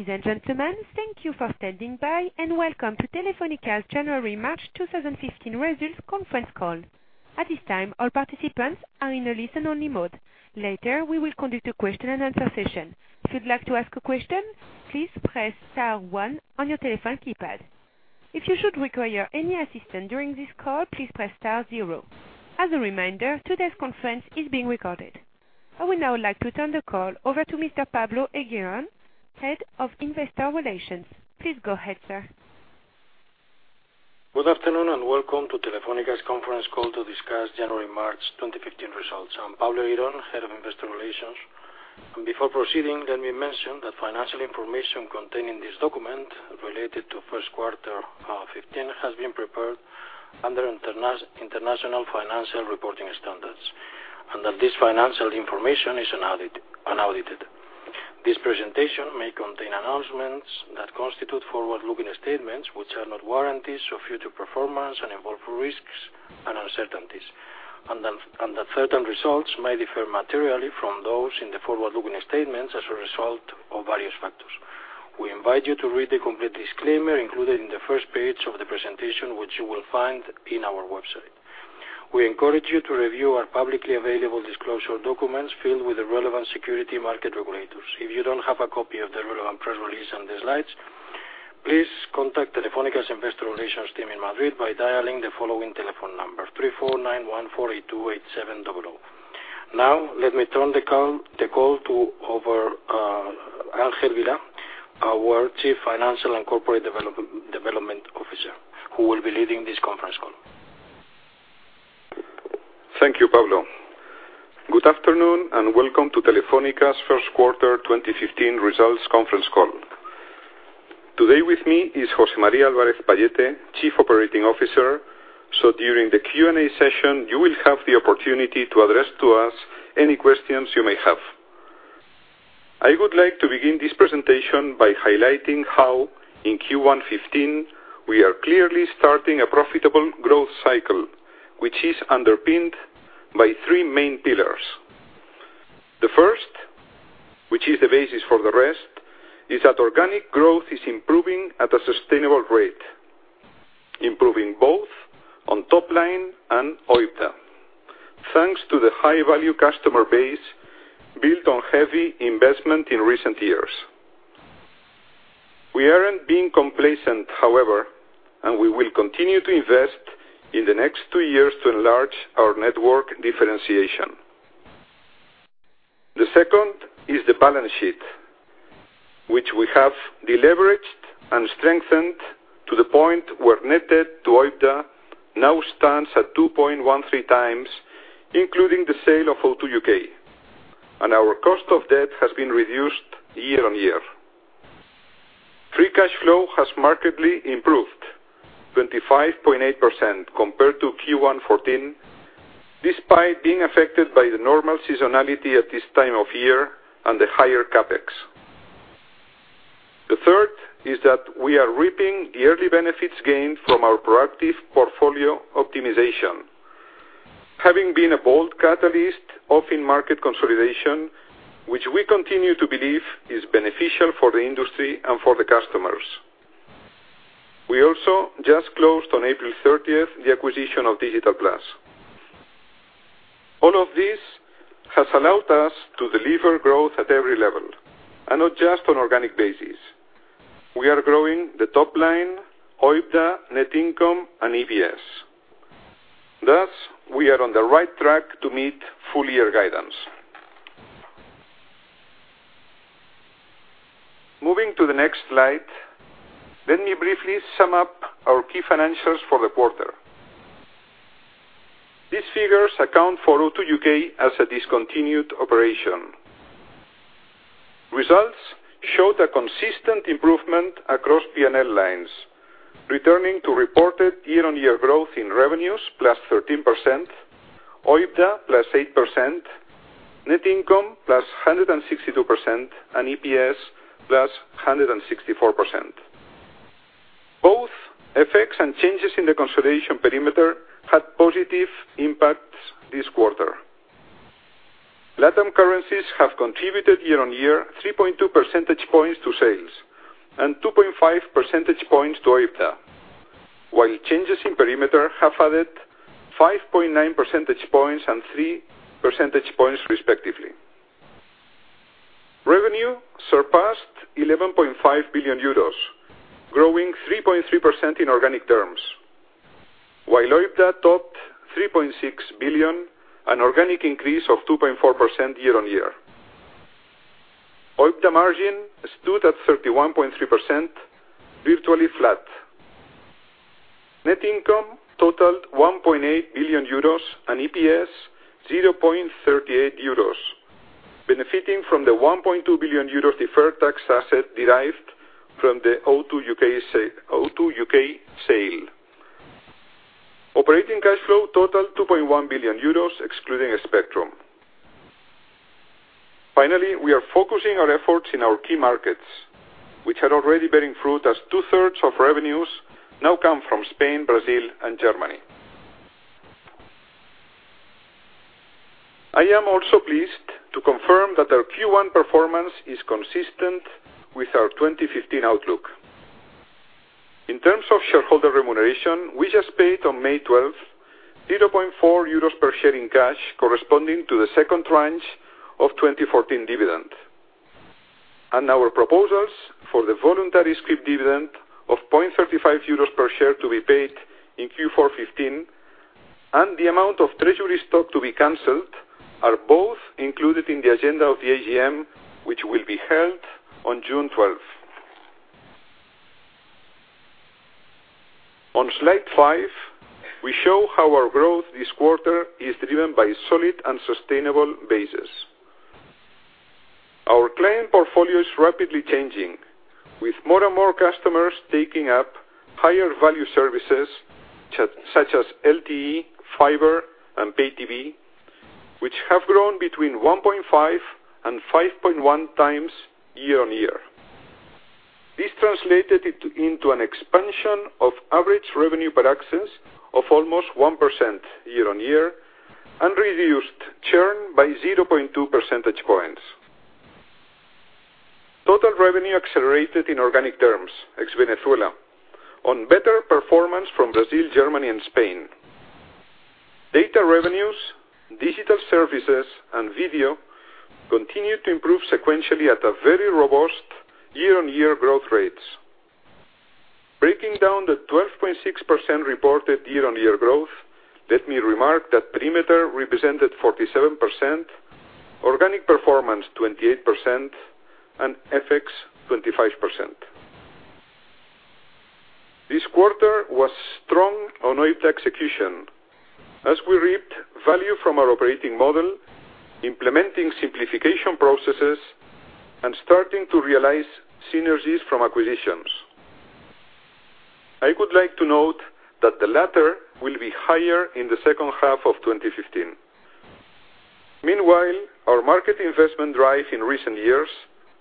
Ladies and gentlemen, thank you for standing by. Welcome to Telefónica's January-March 2015 results conference call. At this time, all participants are in a listen-only mode. Later, we will conduct a question-and-answer session. If you'd like to ask a question, please press star one on your telephone keypad. If you should require any assistance during this call, please press star zero. As a reminder, today's conference is being recorded. I would now like to turn the call over to Mr. Pablo Eguirón, Head of Investor Relations. Please go ahead, sir. Good afternoon. Welcome to Telefónica's conference call to discuss January-March 2015 results. I'm Pablo Eguirón, Head of Investor Relations. Before proceeding, let me mention that financial information contained in this document related to first quarter of 2015 has been prepared under International Financial Reporting Standards, and that this financial information is unaudited. This presentation may contain announcements that constitute forward-looking statements, which are not warranties of future performance and involve risks and uncertainties, and that certain results may differ materially from those in the forward-looking statements as a result of various factors. We invite you to read the complete disclaimer included in the first page of the presentation, which you will find on our website. We encourage you to review our publicly available disclosure documents filed with the relevant security market regulators. If you don't have a copy of the relevant press release and the slides, please contact Telefónica's Investor Relations team in Madrid by dialing the following telephone number, 3491-482-8700. Now, let me turn the call over Ángel Vilá, our Chief Financial and Corporate Development Officer, who will be leading this conference call. Thank you, Pablo. Good afternoon. Welcome to Telefónica's first quarter 2015 results conference call. Today with me is José María Álvarez-Pallete, Chief Operating Officer. During the Q&A session, you will have the opportunity to address to us any questions you may have. I would like to begin this presentation by highlighting how, in Q1 2015, we are clearly starting a profitable growth cycle, which is underpinned by three main pillars. The first, which is the basis for the rest, is that organic growth is improving at a sustainable rate, improving both on top line and OIBDA, thanks to the high-value customer base built on heavy investment in recent years. We aren't being complacent, however, and we will continue to invest in the next two years to enlarge our network differentiation. The second is the balance sheet, which we have deleveraged and strengthened to the point where net debt to OIBDA now stands at 2.13 times, including the sale of O2 UK, and our cost of debt has been reduced year-on-year. Free cash flow has markedly improved, 25.8% compared to Q1 2014, despite being affected by the normal seasonality at this time of year and the higher CapEx. The third is that we are reaping the early benefits gained from our proactive portfolio optimization, having been a bold catalyst of in-market consolidation, which we continue to believe is beneficial for the industry and for the customers. We also just closed, on April 30th, the acquisition of Digital+. All of this has allowed us to deliver growth at every level and not just on organic basis. We are growing the top line, OIBDA, net income, and EPS. We are on the right track to meet full-year guidance. Moving to the next slide, let me briefly sum up our key financials for the quarter. These figures account for O2 UK as a discontinued operation. Results showed a consistent improvement across P&L lines, returning to reported year-on-year growth in revenues, +13%, OIBDA, +8%, net income, +162%, and EPS, +164%. Both effects and changes in the consolidation perimeter had positive impacts this quarter. LatAm currencies have contributed year-on-year 3.2 percentage points to sales and 2.5 percentage points to OIBDA, while changes in perimeter have added 5.9 percentage points and 3 percentage points respectively. Revenue surpassed 11.5 billion euros, growing 3.3% in organic terms, while OIBDA topped 3.6 billion, an organic increase of 2.4% year-on-year. OIBDA margin stood at 31.3%, virtually flat. Net income totaled 1.8 billion euros and EPS 0.38 euros, benefiting from the 1.2 billion euros deferred tax asset derived from the O2 UK sale. Operating cash flow totaled 2.1 billion euros excluding Spectrum. Finally, we are focusing our efforts in our key markets, which are already bearing fruit, as two-thirds of revenues now come from Spain, Brazil, and Germany. I am also pleased to confirm that our Q1 performance is consistent with our 2015 outlook. In terms of shareholder remuneration, we just paid on May 12th, [0.4 euros per share] in cash corresponding to the second tranche of 2014 dividend. Our proposals for the voluntary scrip dividend of 0.35 euros per share to be paid in Q4 2015, and the amount of treasury stock to be canceled, are both included in the agenda of the AGM, which will be held on June 12th. On slide five, we show how our growth this quarter is driven by solid and sustainable basis. Our client portfolio is rapidly changing, with more and more customers taking up higher value services such as LTE, fiber, and Pay TV, which have grown between 1.5 and 5.1 times year-on-year. This translated into an expansion of average revenue per access of almost 1% year-on-year and reduced churn by 0.2 percentage points. Total revenue accelerated in organic terms, ex Venezuela, on better performance from Brazil, Germany, and Spain. Data revenues, digital services, and video continued to improve sequentially at very robust year-on-year growth rates. Breaking down the 12.6% reported year-on-year growth, let me remark that perimeter represented 47%, organic performance 28%, and FX 25%. This quarter was strong on OIBDA execution as we reaped value from our operating model, implementing simplification processes and starting to realize synergies from acquisitions. I would like to note that the latter will be higher in the second half of 2015. Meanwhile, our market investment drive in recent years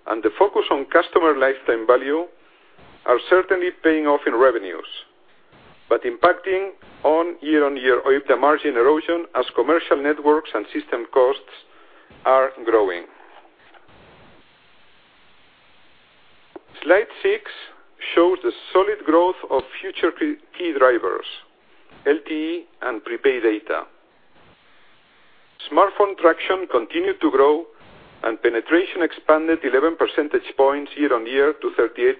and the focus on customer lifetime value are certainly paying off in revenues, but impacting on year-on-year OIBDA margin erosion as commercial networks and system costs are growing. Slide six shows the solid growth of future key drivers, LTE and prepaid data. Smartphone traction continued to grow and penetration expanded 11 percentage points year-on-year to 38%,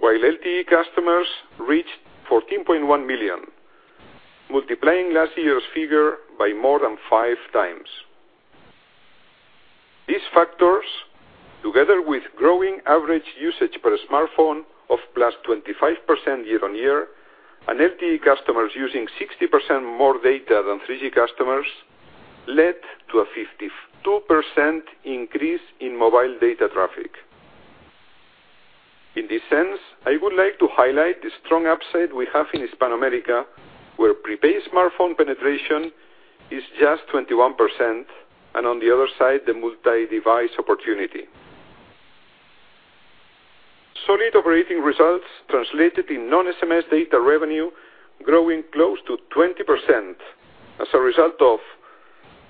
while LTE customers reached 14.1 million, multiplying last year's figure by more than five times. These factors, together with growing average usage per smartphone of +25% year-on-year and LTE customers using 60% more data than 3G customers, led to a 52% increase in mobile data traffic. In this sense, I would like to highlight the strong upside we have in Hispanoamérica, where prepaid smartphone penetration is just 21%, and on the other side, the multi-device opportunity. Solid operating results translated in non-SMS data revenue growing close to 20% as a result of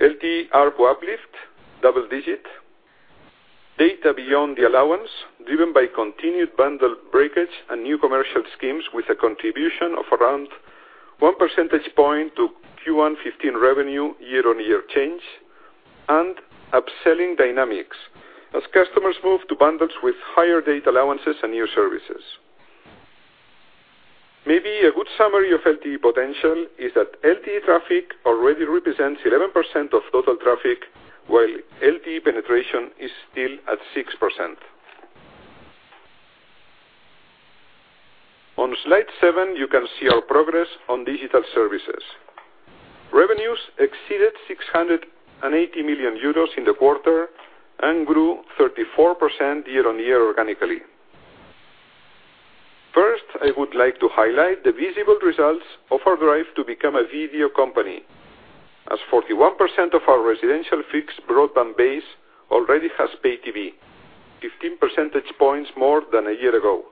LTE ARPU uplift, double digit, data beyond the allowance, driven by continued bundle breakage and new commercial schemes with a contribution of around one percentage point to Q1 2015 revenue year-on-year change, and upselling dynamics as customers move to bundles with higher data allowances and new services. A good summary of LTE potential is that LTE traffic already represents 11% of total traffic, while LTE penetration is still at 6%. On slide seven, you can see our progress on digital services. Revenues exceeded 680 million euros in the quarter and grew 34% year-on-year organically. First, I would like to highlight the visible results of our drive to become a video company, as 41% of our residential fixed broadband base already has Pay TV, 15 percentage points more than a year ago,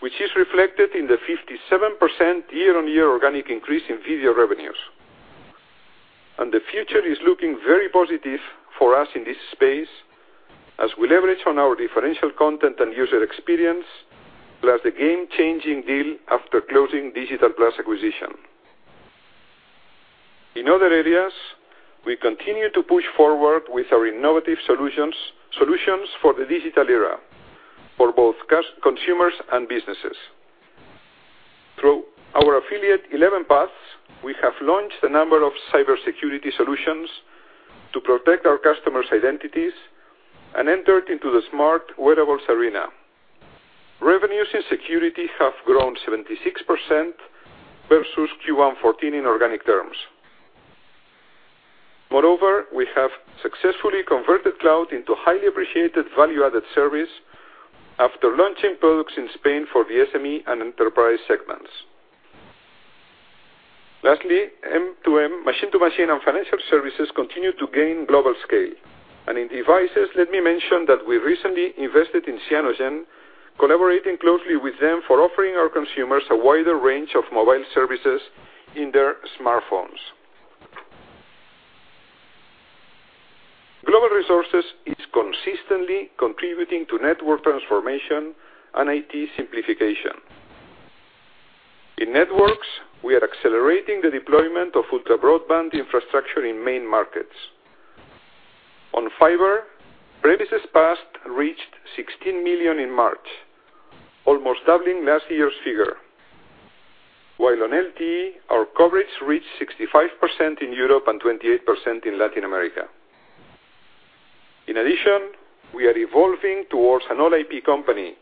which is reflected in the 57% year-on-year organic increase in video revenues. The future is looking very positive for us in this space as we leverage on our differential content and user experience, plus the game-changing deal after closing Digital+ acquisition. In other areas, we continue to push forward with our innovative solutions for the digital era, for both consumers and businesses. Through our affiliate ElevenPaths, we have launched a number of cybersecurity solutions to protect our customers' identities and entered into the smart wearables arena. Revenues in security have grown 76% versus Q1 2014 in organic terms. Moreover, we have successfully converted cloud into a highly appreciated value-added service after launching products in Spain for the SME and enterprise segments. Lastly, M2M, machine-to-machine, and financial services continue to gain global scale. In devices, let me mention that we recently invested in Cyanogen, collaborating closely with them for offering our consumers a wider range of mobile services in their smartphones. Global resources is consistently contributing to network transformation and IT simplification. In networks, we are accelerating the deployment of ultra-broadband infrastructure in main markets. On fiber, premises passed reached 16 million in March, almost doubling last year's figure. While on LTE, our coverage reached 65% in Europe and 28% in Latin America. We are evolving towards an all IP company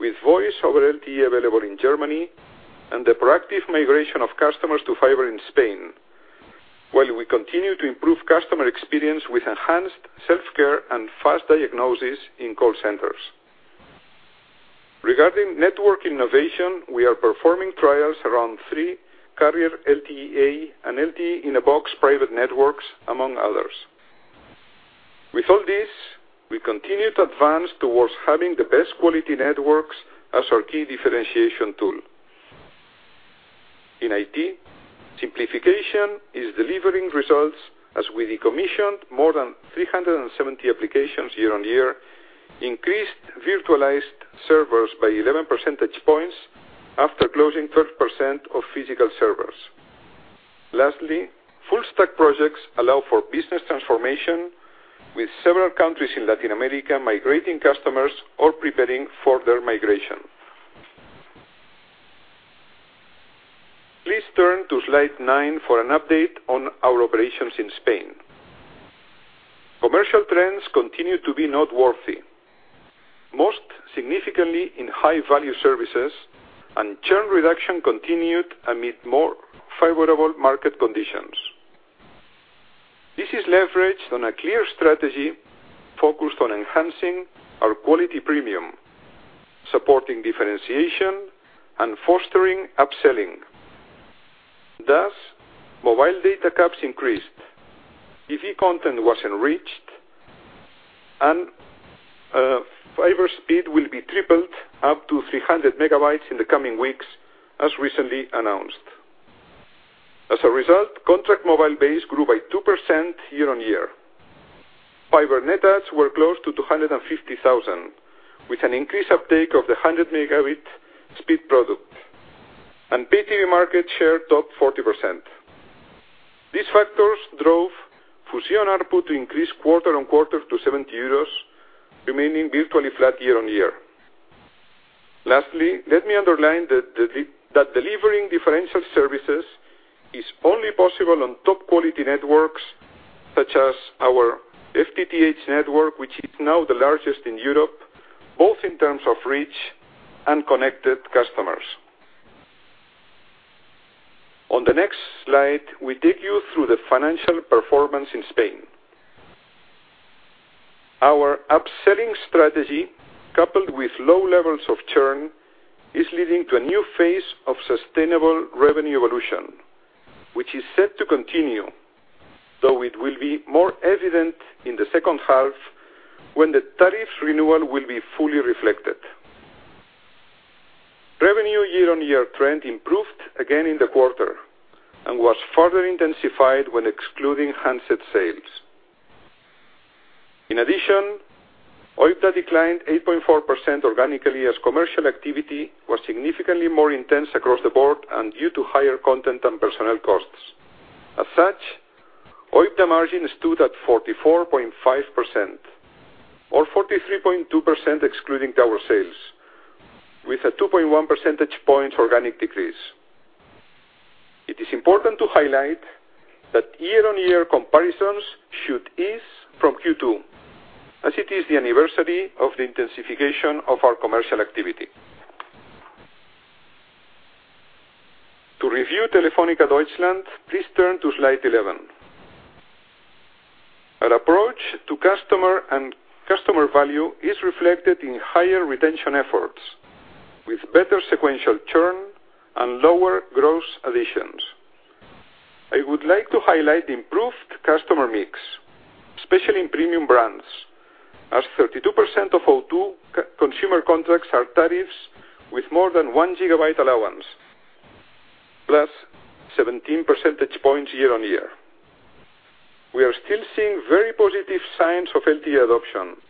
with Voice over LTE available in Germany and the proactive migration of customers to fiber in Spain. While we continue to improve customer experience with enhanced self-care and fast diagnosis in call centers. Regarding network innovation, we are performing trials around 3 carrier LTE-A and LTE in a box private networks, among others. With all this, we continue to advance towards having the best quality networks as our key differentiation tool. In IT, simplification is delivering results as we decommissioned more than 370 applications year-on-year, increased virtualized servers by 11 percentage points after closing 30% of physical servers. Lastly, full stack projects allow for business transformation with several countries in Latin America migrating customers or preparing for their migration. Please turn to slide nine for an update on our operations in Spain. Commercial trends continue to be noteworthy, most significantly in high-value services, and churn reduction continued amid more favorable market conditions. This is leveraged on a clear strategy focused on enhancing our quality premium, supporting differentiation, and fostering upselling. Thus, mobile data caps increased. TV content was enriched. Fiber speed will be tripled up to 300 MB in the coming weeks, as recently announced. As a result, contract mobile base grew by 2% year-on-year. Fiber net adds were close to 250,000, with an increased uptake of the 100 Mb speed product, and pay TV market share topped 40%. These factors drove Fusión ARPU to increase quarter-on-quarter to 70 euros, remaining virtually flat year-on-year. Lastly, let me underline that delivering differential services is only possible on top-quality networks such as our FTTH network, which is now the largest in Europe, both in terms of reach and connected customers. On the next slide, we take you through the financial performance in Spain. Our upselling strategy, coupled with low levels of churn, is leading to a new phase of sustainable revenue evolution, which is set to continue, though it will be more evident in the second half when the tariffs renewal will be fully reflected. Revenue year-on-year trend improved again in the quarter and was further intensified when excluding handset sales. In addition, OIBDA declined 8.4% organically as commercial activity was significantly more intense across the board and due to higher content and personnel costs. As such, OIBDA margin stood at 44.5%, or 43.2% excluding tower sales, with a 2.1 percentage points organic decrease. It is important to highlight that year-on-year comparisons should ease from Q2, as it is the anniversary of the intensification of our commercial activity. To review Telefónica Deutschland, please turn to slide 11. Our approach to customer and customer value is reflected in higher retention efforts, with better sequential churn and lower gross additions. I would like to highlight the improved customer mix, especially in premium brands, as 32% of O2 consumer contracts are tariffs with more than 1 GB allowance, plus 17 percentage points year-on-year. We are still seeing very positive signs of LTE adoption,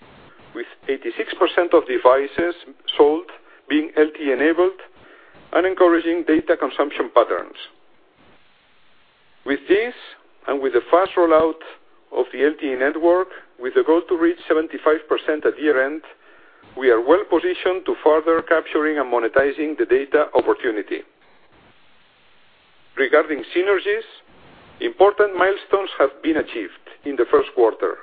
with 86% of devices sold being LTE-enabled and encouraging data consumption patterns. With this, and with a fast rollout of the LTE network, with the goal to reach 75% at year-end, we are well positioned to further capturing and monetizing the data opportunity. Regarding synergies, important milestones have been achieved in the first quarter,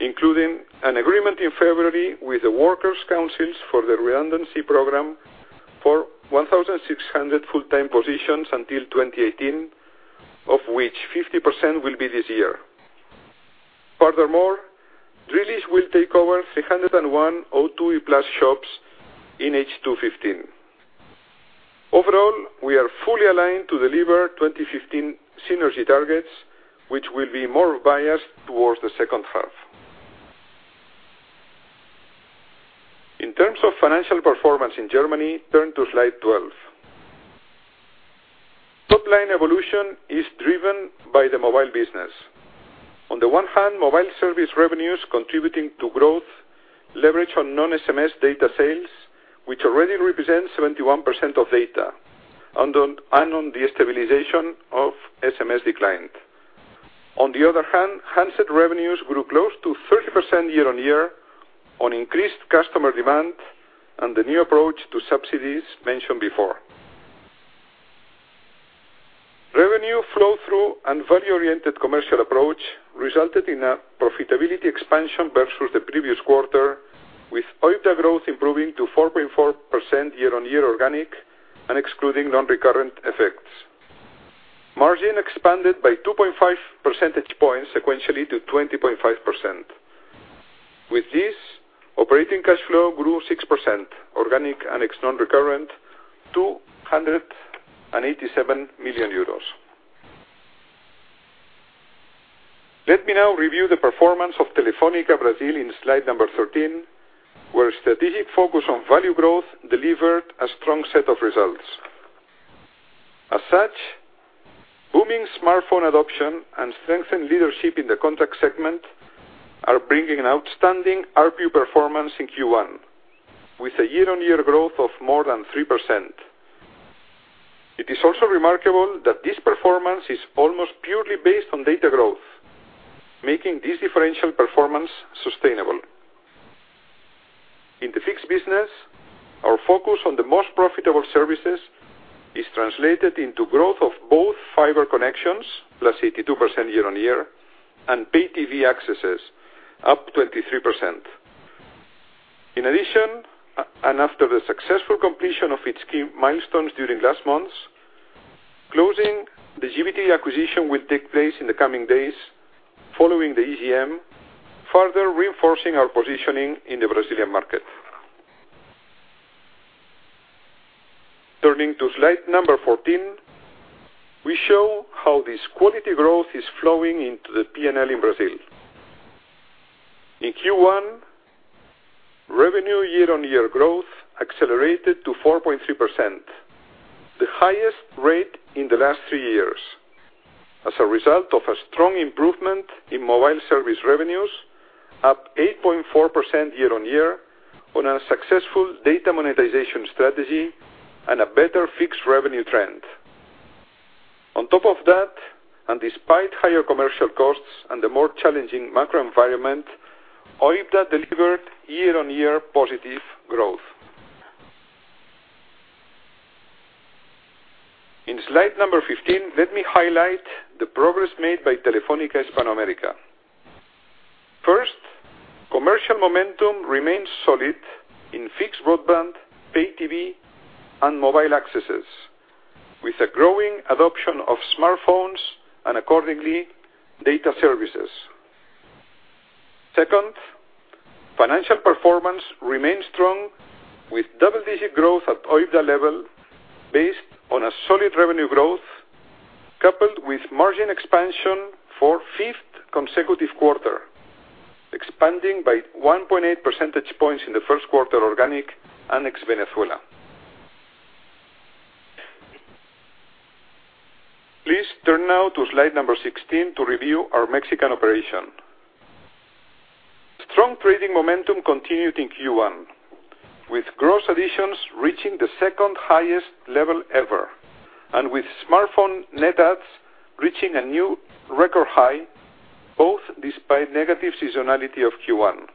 including an agreement in February with the workers' councils for the redundancy program for 1,600 full-time positions until 2018, of which 50% will be this year. Furthermore, Drillisch will take over 301 O2 plus shops in H2 2015. Overall, we are fully aligned to deliver 2015 synergy targets, which will be more biased towards the second half. In terms of financial performance in Germany, turn to slide 12. Top-line evolution is driven by the mobile business. On the one hand, mobile service revenues contributing to growth leverage on non-SMS data sales, which already represents 71% of data, and on the stabilization of SMS decline. On the other hand, handset revenues grew close to 30% year-on-year on increased customer demand and the new approach to subsidies mentioned before. Revenue flow-through and value-oriented commercial approach resulted in a profitability expansion versus the previous quarter, with OIBDA growth improving to 4.4% year-on-year organic and excluding non-recurrent effects. Margin expanded by 2.5 percentage points sequentially to 20.5%. With this, operating cash flow grew 6%, organic and ex non-recurrent, to EUR 187 million. Let me now review the performance of Telefónica Brasil on slide number 13, where strategic focus on value growth delivered a strong set of results. As such, booming smartphone adoption and strengthened leadership in the contract segment are bringing outstanding ARPU performance in Q1, with a year-on-year growth of more than 3%. It is also remarkable that this performance is almost purely based on data growth, making this differential performance sustainable. In the fixed business, our focus on the most profitable services is translated into growth of both fiber connections, plus 82% year-on-year, and pay TV accesses, up 23%. After the successful completion of its key milestones during last months, closing the GVT acquisition will take place in the coming days, following the EGM, further reinforcing our positioning in the Brazilian market. Turning to slide number 14, we show how this quality growth is flowing into the P&L in Brazil. In Q1, revenue year-on-year growth accelerated to 4.3%, the highest rate in the last three years, as a result of a strong improvement in mobile service revenues, up 8.4% year-on-year on a successful data monetization strategy and a better fixed revenue trend. Despite higher commercial costs and the more challenging macro environment, OIBDA delivered year-on-year positive growth. In slide number 15, let me highlight the progress made by Telefónica Hispanoamérica. First, commercial momentum remains solid in fixed broadband, pay TV, and mobile accesses, with a growing adoption of smartphones and, accordingly, data services. Second, financial performance remains strong with double-digit growth at OIBDA level based on a solid revenue growth coupled with margin expansion for a fifth consecutive quarter, expanding by 1.8 percentage points in the first quarter organic and ex Venezuela. Please turn now to slide number 16 to review our Mexican operation. Strong trading momentum continued in Q1, with gross additions reaching the second highest level ever, and with smartphone net adds reaching a new record high, both despite negative seasonality of Q1.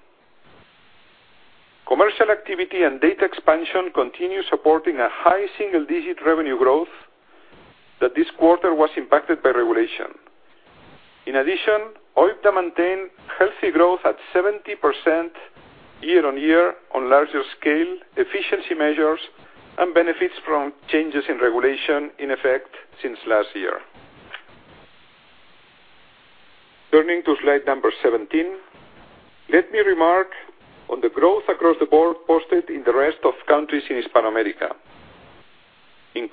Commercial activity and data expansion continue supporting a high single-digit revenue growth that this quarter was impacted by regulation. OIBDA maintained healthy growth at 70% year-on-year on larger scale efficiency measures and benefits from changes in regulation in effect since last year. Turning to slide number 17, let me remark on the growth across the board posted in the rest of countries in Hispanoamérica. In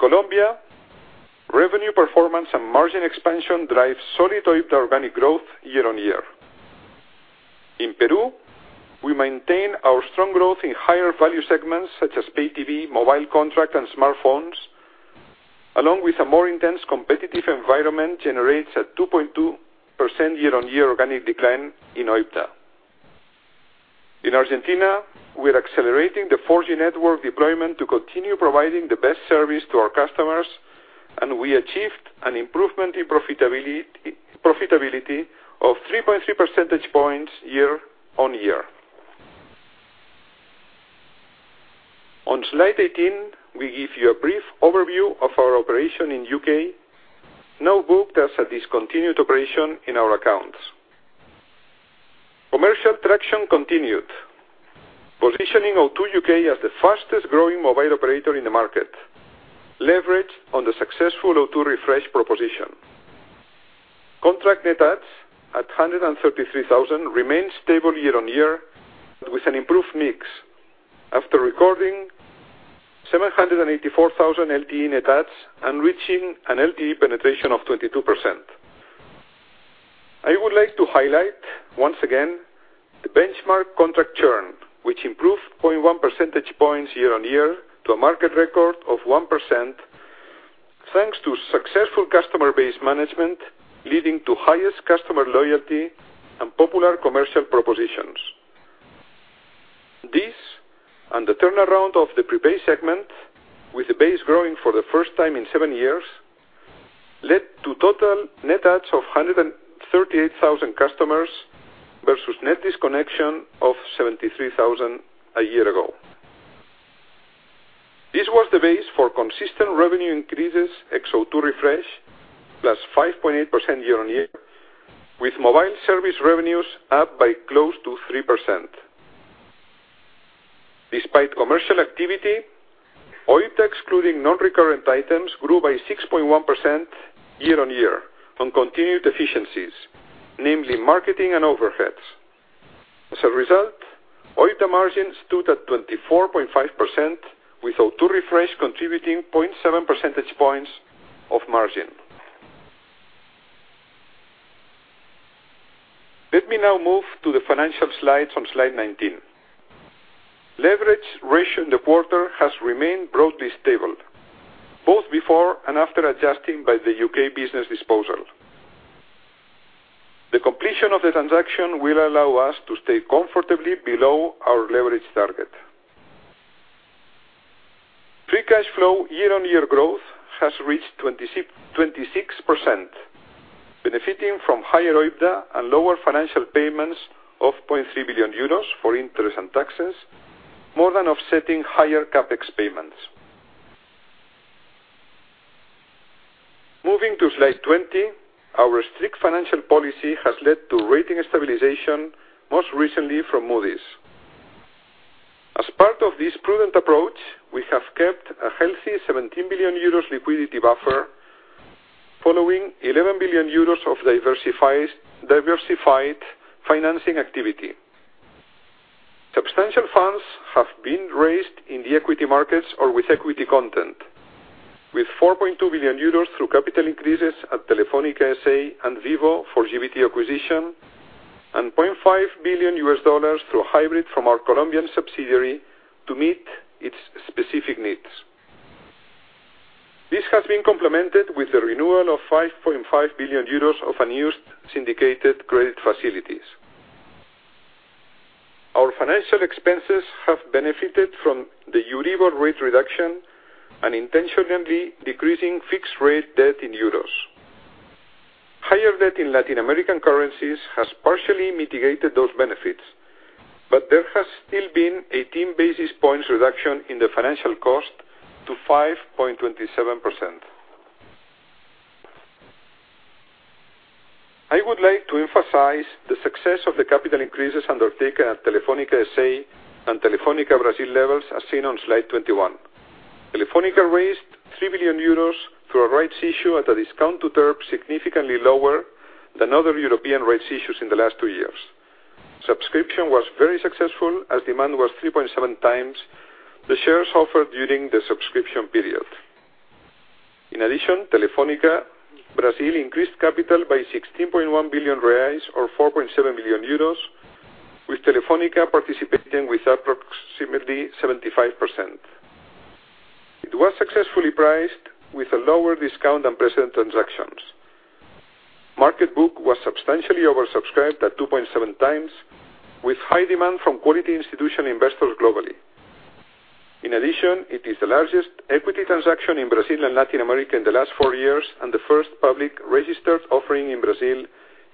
Colombia, revenue performance and margin expansion drive solid OIBDA organic growth year-on-year. In Peru, we maintain our strong growth in higher value segments such as pay TV, mobile contract, and smartphones, along with a more intense competitive environment generates a 2.2% year-on-year organic decline in OIBDA. In Argentina, we are accelerating the 4G network deployment to continue providing the best service to our customers, and we achieved an improvement in profitability of 3.3 percentage points year-on-year. On slide 18, we give you a brief overview of our operation in the U.K., now booked as a discontinued operation in our accounts. Commercial traction continued, positioning O2 U.K. as the fastest growing mobile operator in the market, leveraged on the successful O2 Refresh proposition. Contract net adds at 133,000 remains stable year-on-year with an improved mix. After recording 784,000 LTE net adds and reaching an LTE penetration of 22%. I would like to highlight, once again, the benchmark contract churn, which improved 0.1 percentage points year-on-year to a market record of 1%, thanks to successful customer base management, leading to highest customer loyalty and popular commercial propositions. This, and the turnaround of the prepaid segment, with the base growing for the first time in seven years, led to total net adds of 138,000 customers versus net disconnection of 73,000 a year ago. This was the base for consistent revenue increases ex-O2 Refresh, plus 5.8% year-on-year, with mobile service revenues up by close to 3%. Despite commercial activity, OIBDA excluding non-recurrent items grew by 6.1% year-on-year on continued efficiencies, namely marketing and overheads. As a result, OIBDA margins stood at 24.5% with O2 Refresh contributing 0.7 percentage points of margin. Let me now move to the financial slides on slide 19. Leverage ratio in the quarter has remained broadly stable, both before and after adjusting by the U.K. business disposal. The completion of the transaction will allow us to stay comfortably below our leverage target. Free cash flow year-on-year growth has reached 26%, benefiting from higher OIBDA and lower financial payments of 3 billion euros for interest and taxes, more than offsetting higher CapEx payments. Moving to slide 20, our strict financial policy has led to rating stabilization, most recently from Moody's. As part of this prudent approach, we have kept a healthy 17 billion euros liquidity buffer following 11 billion euros of diversified financing activity. Substantial funds have been raised in the equity markets or with equity content, with 4.2 billion euros through capital increases at Telefónica, S.A. and Vivo for GVT acquisition and $0.5 billion through a hybrid from our Colombian subsidiary to meet its specific needs. This has been complemented with the renewal of 5.5 billion euros of unused syndicated credit facilities. Our financial expenses have benefited from the Euribor rate reduction and intentionally decreasing fixed rate debt in euros. Higher debt in Latin American currencies has partially mitigated those benefits, but there has still been 18 basis points reduction in the financial cost to 5.27%. I would like to emphasize the success of the capital increases undertaken at Telefónica, S.A. and Telefónica Brasil levels as seen on slide 21. Telefónica raised 3 billion euros through a rights issue at a discount to TERP, significantly lower than other European rights issues in the last two years. Subscription was very successful as demand was 3.7 times the shares offered during the subscription period. In addition, Telefónica Brasil increased capital by 16.1 billion reais or 4.7 billion euros, with Telefónica participating with approximately 75%. It was successfully priced with a lower discount than present transactions. Market book was substantially oversubscribed at 2.7 times, with high demand from quality institutional investors globally. In addition, it is the largest equity transaction in Brazil and Latin America in the last four years and the first public registered offering in Brazil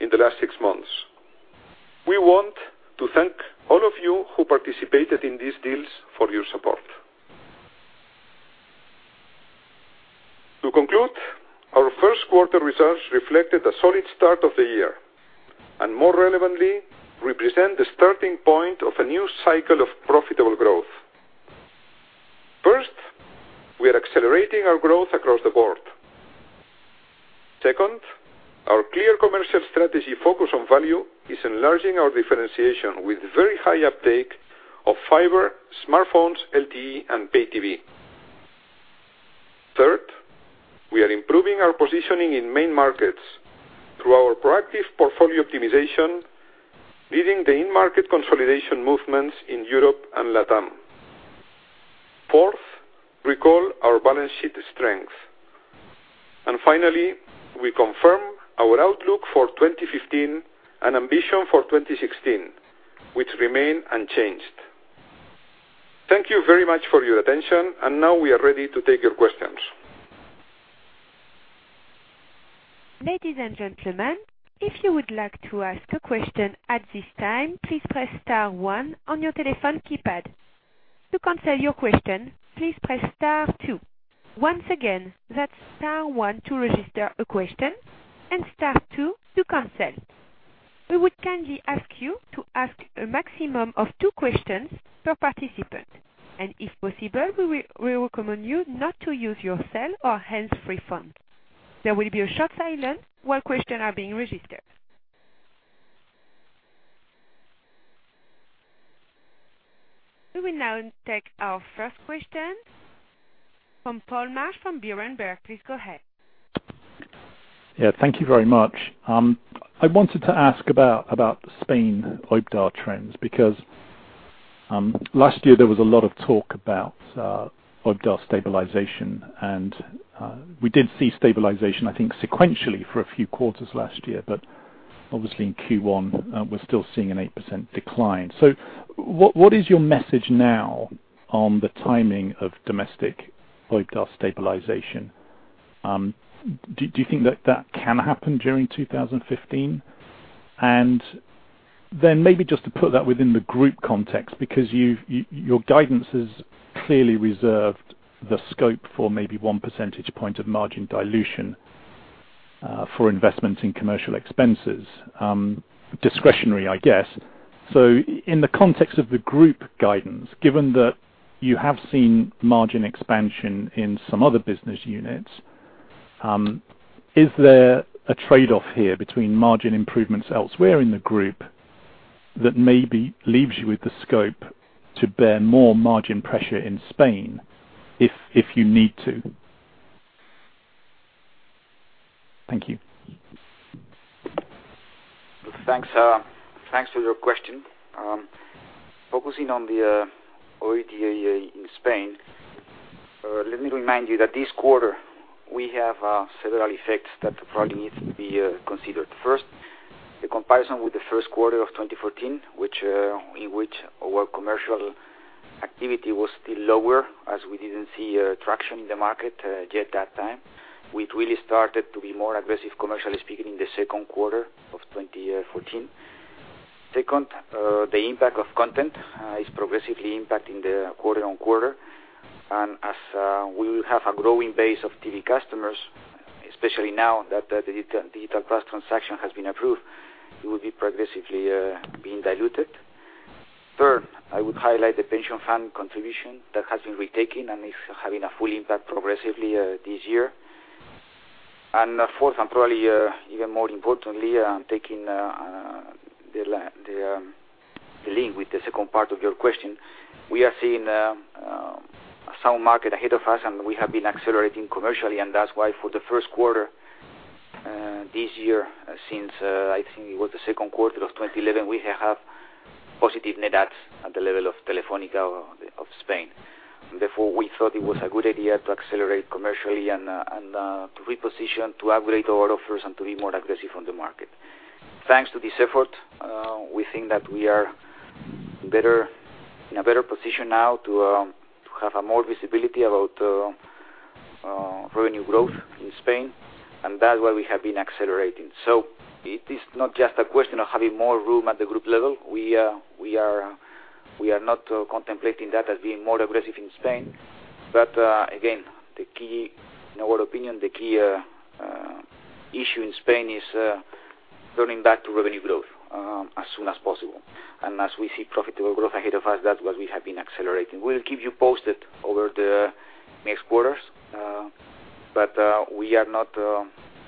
in the last six months. We want to thank all of you who participated in these deals for your support. To conclude, our first quarter results reflected a solid start of the year, and more relevantly, represent the starting point of a new cycle of profitable growth. First, we are accelerating our growth across the board. Second, our clear commercial strategy focus on value is enlarging our differentiation with very high uptake of fiber, smartphones, LTE, and pay TV. Third, we are improving our positioning in main markets through our proactive portfolio optimization, leading the in-market consolidation movements in Europe and LATAM. Fourth, recall our balance sheet strength. Finally, we confirm our outlook for 2015 and ambition for 2016, which remain unchanged. Thank you very much for your attention, and now we are ready to take your questions. Ladies and gentlemen, if you would like to ask a question at this time, please press star one on your telephone keypad. To cancel your question, please press star two. Once again, that's star one to register a question and star two to cancel. We would kindly ask you to ask a maximum of two questions per participant. If possible, we recommend you not to use your cell or hands-free phone. There will be a short silence while questions are being registered. We will now take our first question from Paul Marsch from Berenberg. Please go ahead. Yeah, thank you very much. I wanted to ask about Spain OIBDA trends, because last year there was a lot of talk about OIBDA stabilization. We did see stabilization, I think, sequentially for a few quarters last year. Obviously in Q1, we're still seeing an 8% decline. What is your message now on the timing of domestic OIBDA stabilization? Do you think that that can happen during 2015? Then maybe just to put that within the group context, because your guidance has clearly reserved the scope for maybe one percentage point of margin dilution for investment in commercial expenses. Discretionary, I guess. In the context of the group guidance, given that you have seen margin expansion in some other business units, is there a trade-off here between margin improvements elsewhere in the group that maybe leaves you with the scope to bear more margin pressure in Spain if you need to? Thank you. Thanks for your question. Focusing on the OIBDA in Spain, let me remind you that this quarter we have several effects that probably need to be considered. First, the comparison with the first quarter of 2014, in which our commercial activity was still lower as we didn't see traction in the market yet that time. We'd really started to be more aggressive commercially speaking in the second quarter of 2014. Second, the impact of content is progressively impacting the quarter on quarter. As we will have a growing base of TV customers, especially now that the Digital+ transaction has been approved, it will be progressively being diluted. Third, I would highlight the pension fund contribution that has been retaken and is having a full impact progressively this year. Fourth, and probably even more importantly, taking the link with the second part of your question. We are seeing a sound market ahead of us, and we have been accelerating commercially, and that's why for the first quarter this year since, I think it was the second quarter of 2011, we have positive net adds at the level of Telefónica de España. Therefore, we thought it was a good idea to accelerate commercially and to reposition, to upgrade our offers and to be more aggressive on the market. Thanks to this effort, we think that we are in a better position now to have a more visibility about revenue growth in Spain, and that's why we have been accelerating. It is not just a question of having more room at the group level. We are not contemplating that as being more aggressive in Spain. Again, in our opinion, the key issue in Spain is turning back to revenue growth as soon as possible. As we see profitable growth ahead of us, that's what we have been accelerating. We'll keep you posted over the next quarters. We are not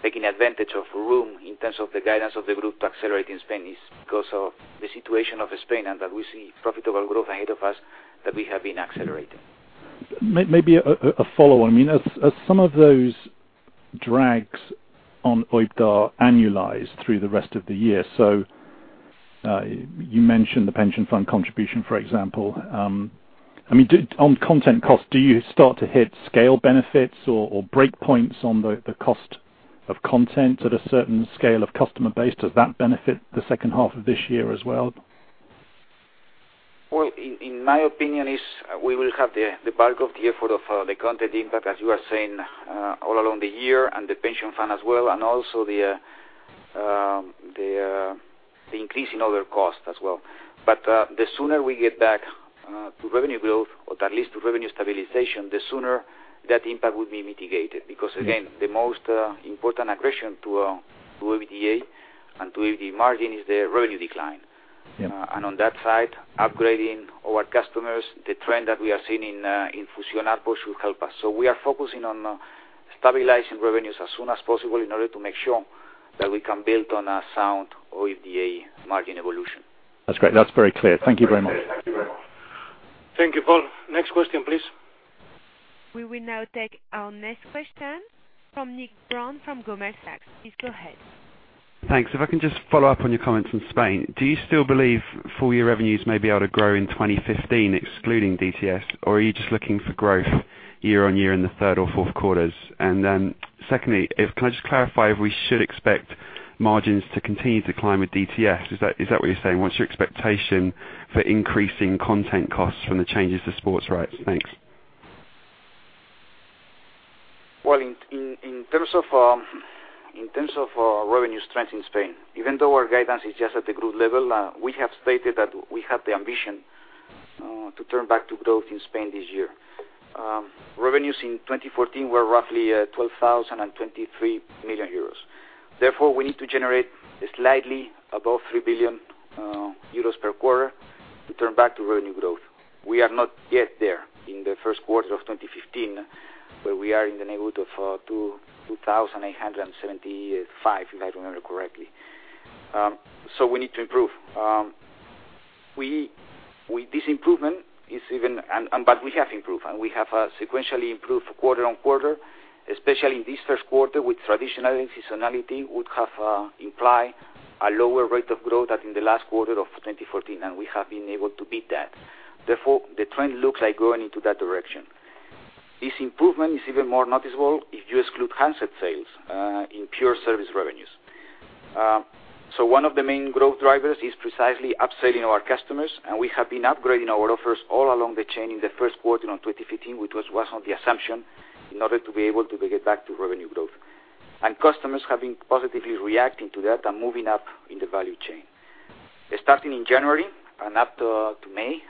taking advantage of room in terms of the guidance of the group to accelerate in Spain. It's because of the situation of Spain, and that we see profitable growth ahead of us that we have been accelerating. Maybe a follow on. As some of those drags on OIBDA annualize through the rest of the year. You mentioned the pension fund contribution, for example. On content cost, do you start to hit scale benefits or break points on the cost of content at a certain scale of customer base? Does that benefit the second half of this year as well? Well, in my opinion, we will have the bulk of the effort of the content impact, as you are saying, all along the year and the pension fund as well, the increase in other costs as well. The sooner we get back to revenue growth, or at least to revenue stabilization, the sooner that impact will be mitigated. Again, the most important aggression to OIBDA and to OIBDA margin is the revenue decline. Yeah. On that side, upgrading our customers, the trend that we are seeing in Fusión ARPU should help us. We are focusing on stabilizing revenues as soon as possible in order to make sure that we can build on a sound OIBDA margin evolution. That's great. That's very clear. Thank you very much. Thank you, Paul. Next question, please. We will now take our next question from Nick Brown from Goldman Sachs. Please go ahead. Thanks. If I can just follow up on your comments on Spain. Do you still believe full year revenues may be able to grow in 2015, excluding DTS, or are you just looking for growth year-on-year in the third or fourth quarters? Secondly, can I just clarify if we should expect margins to continue to climb with DTS? Is that what you're saying? What's your expectation for increasing content costs from the changes to sports rights? Thanks. Well, in terms of revenue strength in Spain, even though our guidance is just at the group level, we have stated that we have the ambition to turn back to growth in Spain this year. Revenues in 2014 were roughly 12,023 million euros. We need to generate slightly above 3 billion euros per quarter to turn back to revenue growth. We are not yet there in the first quarter of 2015, but we are in the neighborhood of 2,875 million, if I remember correctly. We need to improve. We have improved, and we have sequentially improved quarter-on-quarter, especially in this first quarter with traditional seasonality, would have implied a lower rate of growth than in the last quarter of 2014, and we have been able to beat that. The trend looks like going into that direction. This improvement is even more noticeable if you exclude handset sales in pure service revenues. One of the main growth drivers is precisely upselling our customers, and we have been upgrading our offers all along the chain in the first quarter on 2015, which was on the assumption in order to be able to get back to revenue growth. Customers have been positively reacting to that and moving up in the value chain. Starting in January and up to May,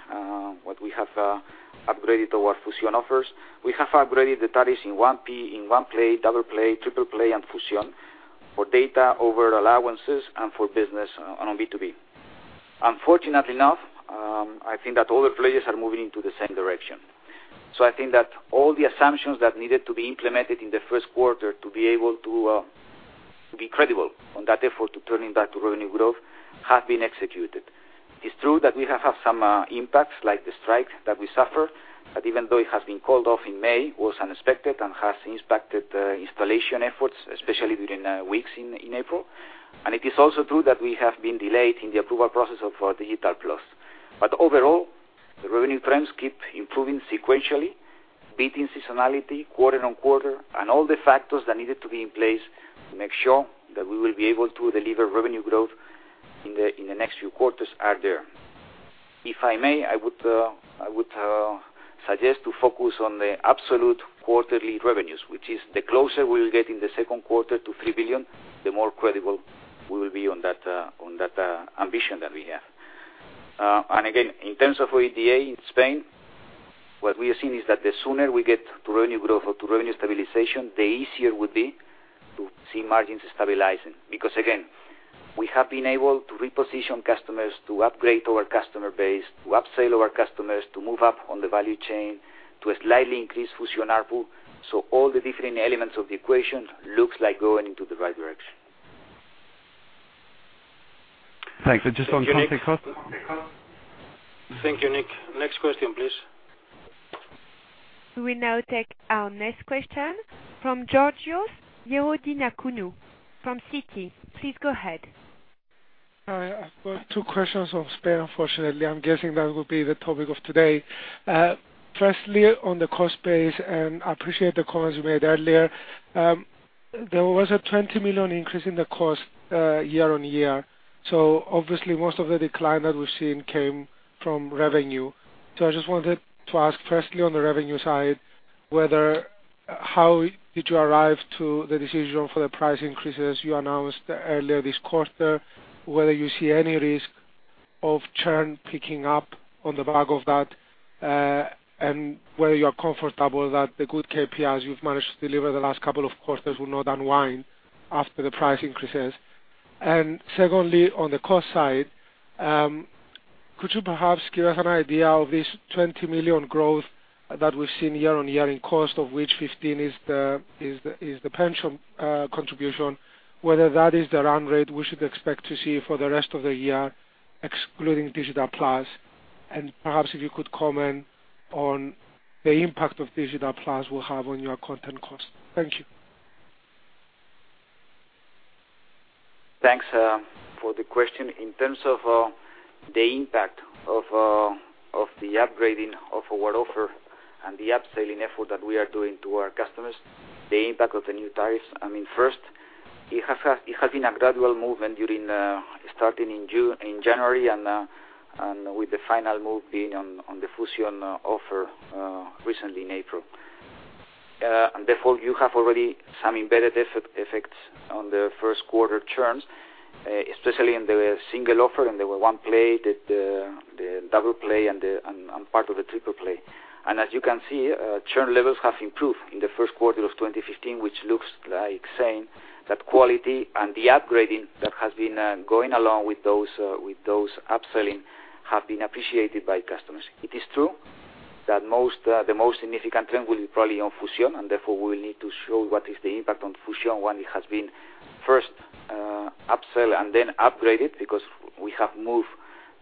what we have upgraded our Fusión offers, we have upgraded the tariffs in 1P, in 1 Play, Double Play, Triple Play, and Fusión for data over allowances and for business on B2B. Unfortunately enough, I think that all the players are moving into the same direction. I think that all the assumptions that needed to be implemented in the first quarter to be able to be credible on that effort to turning back to revenue growth, have been executed. It's true that we have had some impacts, like the strike that we suffered, but even though it has been called off in May, was unexpected and has impacted installation efforts, especially during weeks in April. It is also true that we have been delayed in the approval process of our Digital+. Overall, the revenue trends keep improving sequentially, beating seasonality quarter on quarter, and all the factors that needed to be in place to make sure that we will be able to deliver revenue growth in the next few quarters are there. If I may, I would suggest to focus on the absolute quarterly revenues, which is the closer we will get in the second quarter to 3 billion, the more credible we will be on that ambition that we have. Again, in terms of OIBDA in Spain, what we are seeing is that the sooner we get to revenue growth or to revenue stabilization, the easier it would be to see margins stabilizing. Because, again, we have been able to reposition customers, to upgrade our customer base, to upsell our customers, to move up on the value chain, to slightly increase Fusión ARPU. All the different elements of the equation looks like going into the right direction. Thanks. Just on content cost. Thank you, Nick. Next question, please. We will now take our next question from Georgios Ierodiaconou from Citi. Please go ahead. Hi. I've got two questions on Spain, unfortunately. I'm guessing that will be the topic of today. Firstly, on the cost base, I appreciate the comments you made earlier. There was a 20 million increase in the cost year-over-year. Obviously, most of the decline that we've seen came from revenue. I just wanted to ask, firstly, on the revenue side, how did you arrive to the decision for the price increases you announced earlier this quarter, whether you see any risk of churn picking up on the back of that, and whether you are comfortable that the good KPIs you've managed to deliver the last couple of quarters will not unwind after the price increases? Secondly, on the cost side, could you perhaps give us an idea of this 20 million growth that we've seen year-over-year in cost, of which 15 is the pension contribution, whether that is the run rate we should expect to see for the rest of the year, excluding Digital+, and perhaps if you could comment on the impact of Digital+ will have on your content cost. Thank you. Thanks for the question. In terms of the impact of the upgrading of our offer and the upselling effort that we are doing to our customers, the impact of the new tariffs, first, it has been a gradual movement starting in January, with the final move being on the Fusión offer recently in April. Therefore, you have already some embedded effects on the first quarter churns, especially in the single offer, the 1 Play, the Double Play, and part of the Triple Play. As you can see, churn levels have improved in the first quarter of 2015, which looks like saying that quality and the upgrading that has been going along with those upselling have been appreciated by customers. It is true that the most significant trend will be probably on Fusión, therefore, we will need to show what is the impact on Fusión when it has been first upsell and then upgraded, because we have moved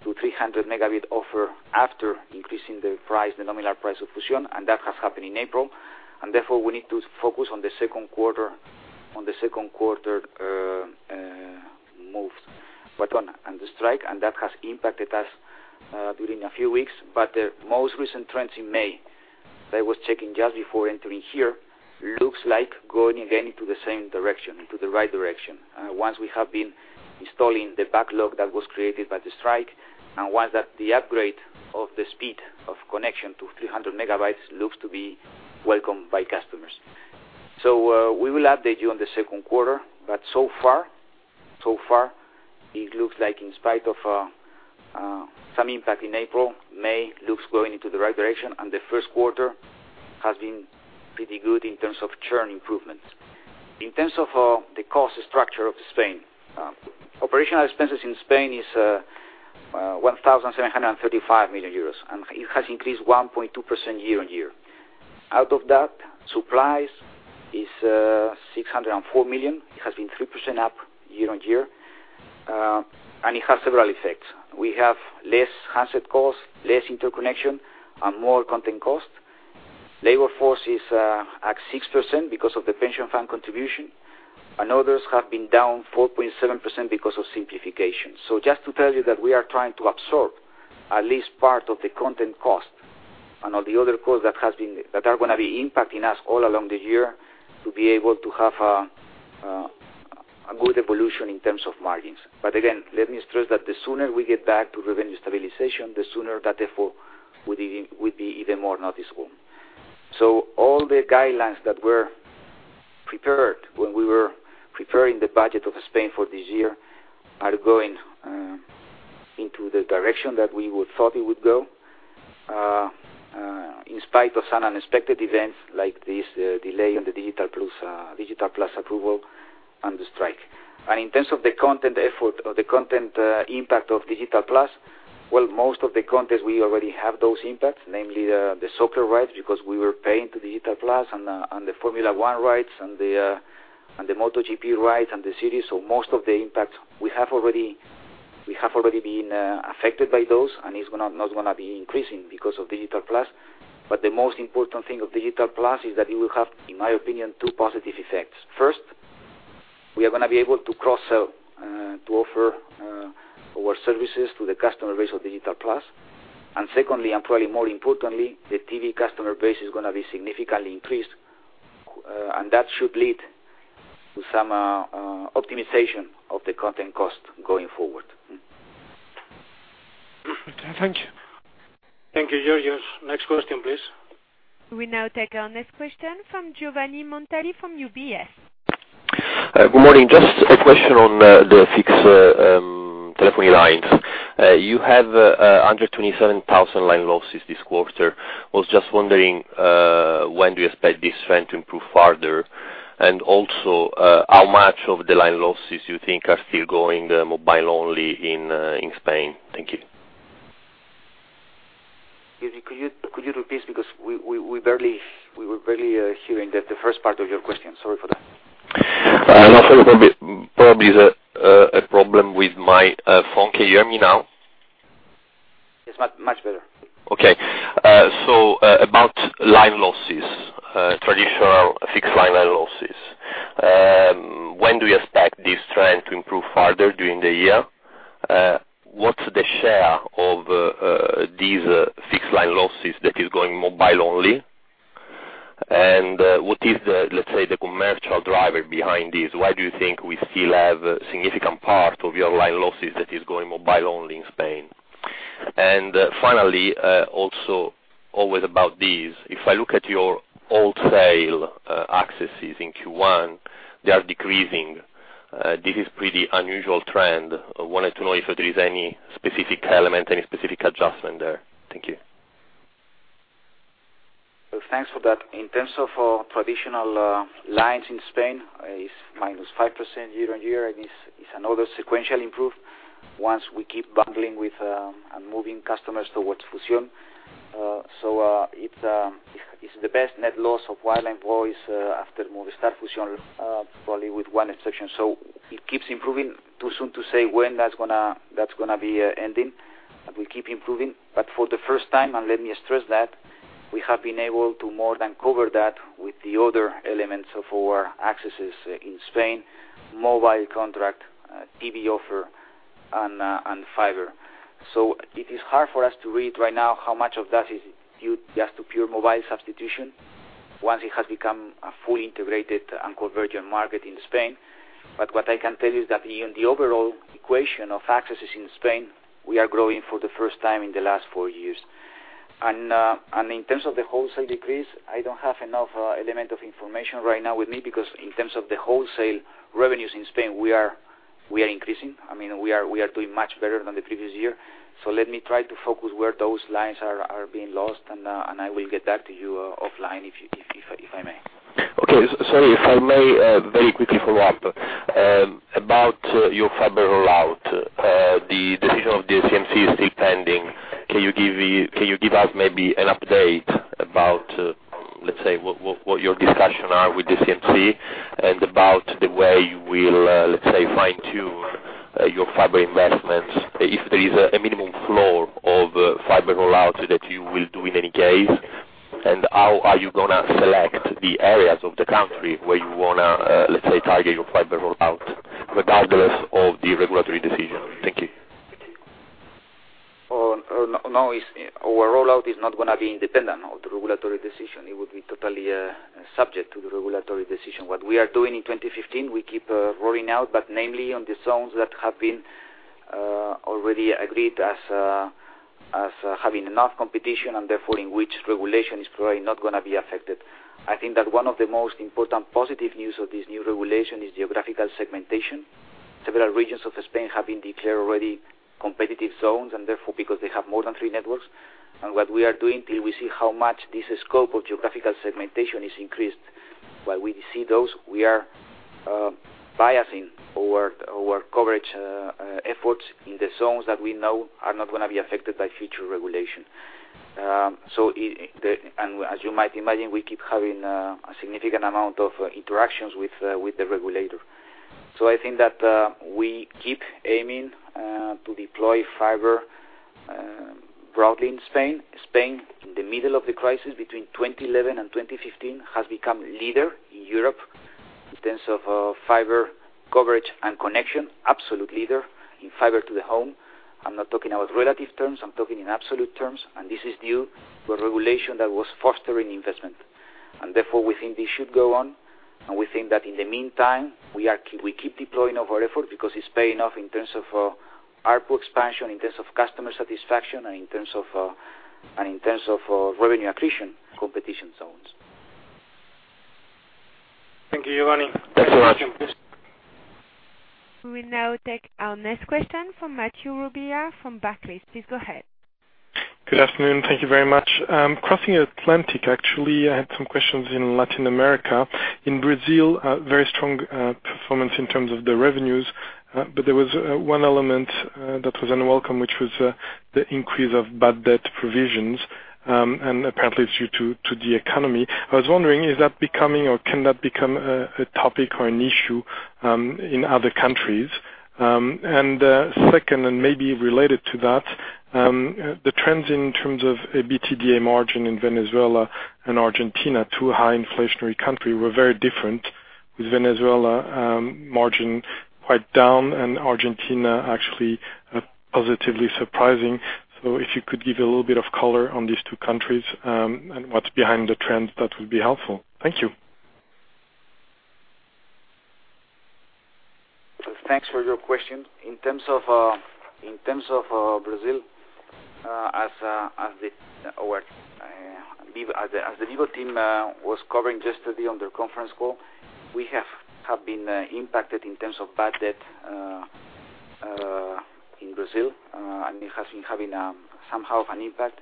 to 300 megabit offer after increasing the price, the nominal price of Fusión, and that has happened in April. Therefore, we need to focus on the second quarter moves. On the strike, and that has impacted us during a few weeks. The most recent trends in May, that I was checking just before entering here, looks like going again into the same direction, into the right direction. Once we have been installing the backlog that was created by the strike, and once that the upgrade of the speed of connection to 300 megabytes looks to be welcomed by customers. We will update you on the second quarter, but so far, it looks like in spite of some impact in April, May looks like it's going into the right direction, and the first quarter has been pretty good in terms of churn improvements. In terms of the cost structure of Spain, operational expenses in Spain is 1,735 million euros, and it has increased 1.2% year-over-year. Out of that, supplies is 604 million. It has been 3% up year-over-year, and it has several effects. We have less handset costs, less interconnection, and more content costs. Labor force is at 6% because of the pension fund contribution, and others have been down 4.7% because of simplification. Just to tell you that we are trying to absorb at least part of the content cost and all the other costs that are going to be impacting us all along the year to be able to have a good evolution in terms of margins. Again, let me stress that the sooner we get back to revenue stabilization, the sooner that effort would be even more noticeable. All the guidelines that were prepared when we were preparing the budget of Spain for this year are going into the direction that we would thought it would go, in spite of some unexpected events like this delay on the Digital+ approval and the strike. In terms of the content effort or the content impact of Digital+, well, most of the content, we already have those impacts, namely the soccer rights, because we were paying to Digital+ and the Formula One rights and the MotoGP rights and the series. Most of the impact, we have already been affected by those, and it's not going to be increasing because of Digital+. The most important thing of Digital+ is that it will have, in my opinion, two positive effects. First, we are going to be able to cross-sell to offer our services to the customer base of Digital+. Secondly, and probably more importantly, the TV customer base is going to be significantly increased, and that should lead to some optimization of the content cost going forward. Okay. Thank you. Thank you, George. Next question, please. We now take our next question from Giovanni Montalti from UBS. Good morning. Just a question on the fixed telephony lines. You have 127,000 line losses this quarter. Was just wondering when do you expect this trend to improve further? Also, how much of the line losses you think are still going mobile only in Spain? Thank you. Could you repeat because we were barely hearing the first part of your question. Sorry for that. No. Probably there's a problem with my phone. Can you hear me now? Yes. Much better. Okay. About line losses, traditional fixed line losses. When do you expect this trend to improve further during the year? What's the share of these fixed line losses that is going mobile only? What is the, let's say, the commercial driver behind this? Why do you think we still have a significant part of your line losses that is going mobile only in Spain? Finally, also always about this, if I look at your wholesale accesses in Q1, they are decreasing. This is pretty unusual trend. I wanted to know if there is any specific element, any specific adjustment there. Thank you. Thanks for that. In terms of traditional lines in Spain, it's -5% year-on-year, it's another sequential improve once we keep bundling with, and moving customers towards Fusión. It's the best net loss of wireline voice after Movistar Fusión, probably with one exception. It keeps improving. Too soon to say when that's going to be ending, we keep improving. For the first time, and let me stress that, we have been able to more than cover that with the other elements of our accesses in Spain, mobile contract, TV offer, and fiber. It is hard for us to read right now how much of that is due just to pure mobile substitution once it has become a fully integrated and convergent market in Spain. What I can tell you is that in the overall equation of accesses in Spain, we are growing for the first time in the last four years. In terms of the wholesale decrease, I don't have enough element of information right now with me because in terms of the wholesale revenues in Spain, we are increasing. We are doing much better than the previous year. Let me try to focus where those lines are being lost, and I will get back to you offline if I may. Okay. Sorry, if I may, very quickly follow up. About your fiber rollout, the decision of the CNMC is still pending. Can you give us maybe an update about, let's say, what your discussion are with the CNMC and about the way you will, let's say, fine-tune your fiber investments, if there is a minimum floor of fiber rollout that you will do in any case, and how are you going to select the areas of the country where you want to, let's say, target your fiber rollout, regardless of the regulatory decision? Thank you. No. Our rollout is not going to be independent of the regulatory decision. It would be totally subject to the regulatory decision. What we are doing in 2015, we keep rolling out, but namely on the zones that have been already agreed as having enough competition and therefore in which regulation is probably not going to be affected. I think that one of the most important positive news of this new regulation is geographical segmentation. Several regions of Spain have been declared already competitive zones, and therefore, because they have more than three networks. And what we are doing till we see how much this scope of geographical segmentation is increased. While we see those, we are biasing our coverage efforts in the zones that we know are not going to be affected by future regulation. As you might imagine, we keep having a significant amount of interactions with the regulator. I think that we keep aiming to deploy fiber broadly in Spain. Spain, in the middle of the crisis, between 2011 and 2015, has become leader in Europe in terms of fiber coverage and connection, absolute leader in fiber to the home. I'm not talking about relative terms, I'm talking in absolute terms, and this is due to a regulation that was fostering investment. Therefore, we think this should go on, and we think that in the meantime, we keep deploying our effort because it's paying off in terms of ARPU expansion, in terms of customer satisfaction, and in terms of revenue accretion competition zones. Thank you, Giovanni. Thanks so much. We will now take our next question from Mathieu Robilliard from Barclays. Please go ahead. Good afternoon. Thank you very much. Crossing Atlantic, actually, I had some questions in Latin America. In Brazil, very strong performance in terms of the revenues. There was one element that was unwelcome, which was the increase of bad debt provisions, and apparently it is due to the economy. I was wondering, is that becoming or can that become a topic or an issue in other countries? Second, and maybe related to that, the trends in terms of EBITDA margin in Venezuela and Argentina, two high inflationary country, were very different, with Venezuela margin quite down and Argentina actually positively surprising. If you could give a little bit of color on these two countries and what is behind the trends, that would be helpful. Thank you. Thanks for your question. In terms of Brazil, as the Vivo team was covering yesterday on their conference call, we have been impacted in terms of bad debt in Brazil, and it has been having somehow an impact.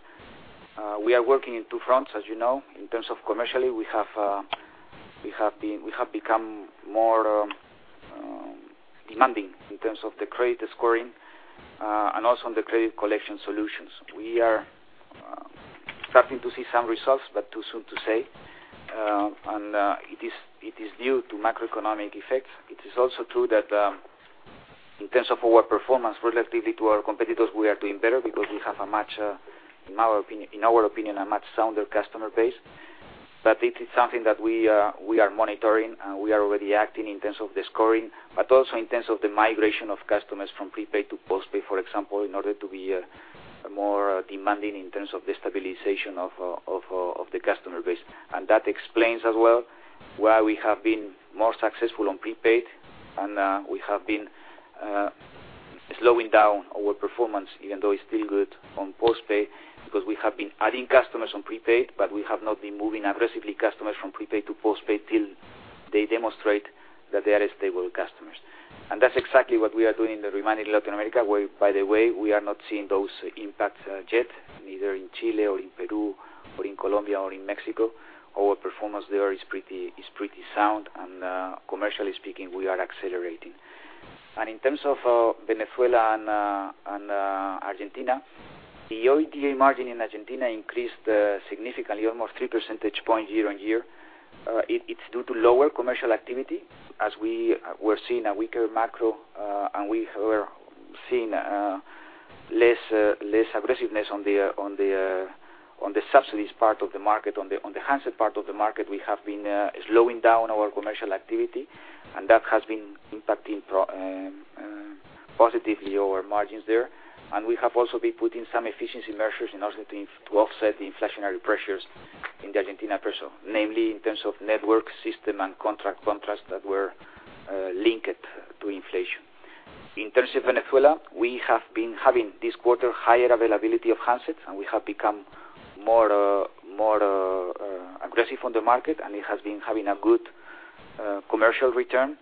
We are working in two fronts, as you know. In terms of commercially, we have become more demanding in terms of the credit scoring, also on the credit collection solutions. We are starting to see some results, but too soon to say. It is due to macroeconomic effects. It is also true that in terms of our performance, relatively to our competitors, we are doing better because we have, in our opinion, a much sounder customer base. It is something that we are monitoring, and we are already acting in terms of the scoring, also in terms of the migration of customers from prepaid to postpaid, for example, in order to be more demanding in terms of the stabilization of the customer base. That explains as well why we have been more successful on prepaid, and we have been slowing down our performance, even though it is still good on postpaid, because we have been adding customers on prepaid, but we have not been moving aggressively customers from prepaid to postpaid till they demonstrate that they are stable customers. That is exactly what we are doing in the remaining Latin America, where, by the way, we are not seeing those impacts yet, neither in Chile or in Peru or in Colombia or in Mexico. Our performance there is pretty sound and commercially speaking, we are accelerating. In terms of Venezuela and Argentina, the OIBDA margin in Argentina increased significantly, almost three percentage points year-on-year. It's due to lower commercial activity as we were seeing a weaker macro, and we were seeing less aggressiveness on the subsidies part of the market. On the handset part of the market, we have been slowing down our commercial activity, and that has been impacting positively our margins there. We have also been putting some efficiency measures in Argentina to offset the inflationary pressures in the Argentina peso, namely in terms of network system and with contracts that were linked to inflation. In terms of Venezuela, we have been having this quarter higher availability of handsets, and we have become more aggressive on the market, and it has been having a good commercial return.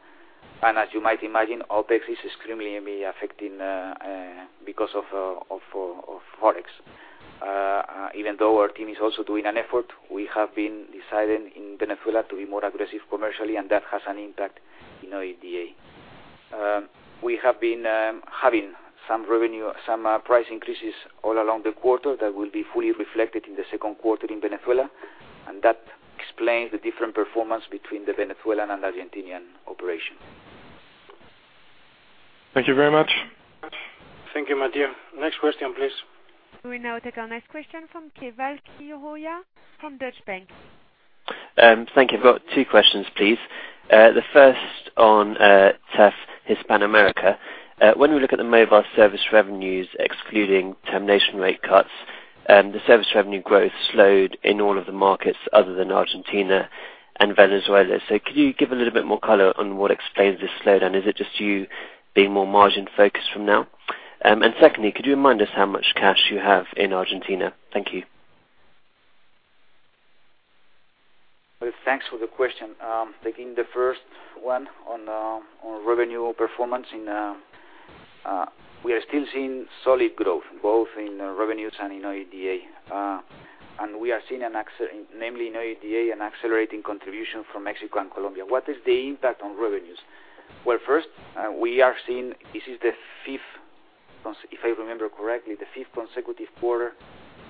As you might imagine, OpEx is extremely affecting because of Forex. Even though our team is also doing an effort, we have been deciding in Venezuela to be more aggressive commercially, and that has an impact in OIBDA. We have been having some price increases all along the quarter that will be fully reflected in the second quarter in Venezuela, and that explains the different performance between the Venezuelan and Argentinian operations. Thank you very much. Thank you, Mathieu. Next question, please. We now take our next question from Keval Khiroya from Deutsche Bank. Thank you. I've got two questions, please. The first on Telefónica Hispanoamérica. When we look at the mobile service revenues, excluding termination rate cuts, the service revenue growth slowed in all of the markets other than Argentina and Venezuela. Could you give a little bit more color on what explains this slowdown? Is it just you being more margin-focused from now? Secondly, could you remind us how much cash you have in Argentina? Thank you. Well, thanks for the question. Taking the first one on revenue performance, we are still seeing solid growth both in revenues and in OIBDA. We are seeing, namely in OIBDA, an accelerating contribution from Mexico and Colombia. What is the impact on revenues? Well, first, we are seeing, this is, if I remember correctly, the fifth consecutive quarter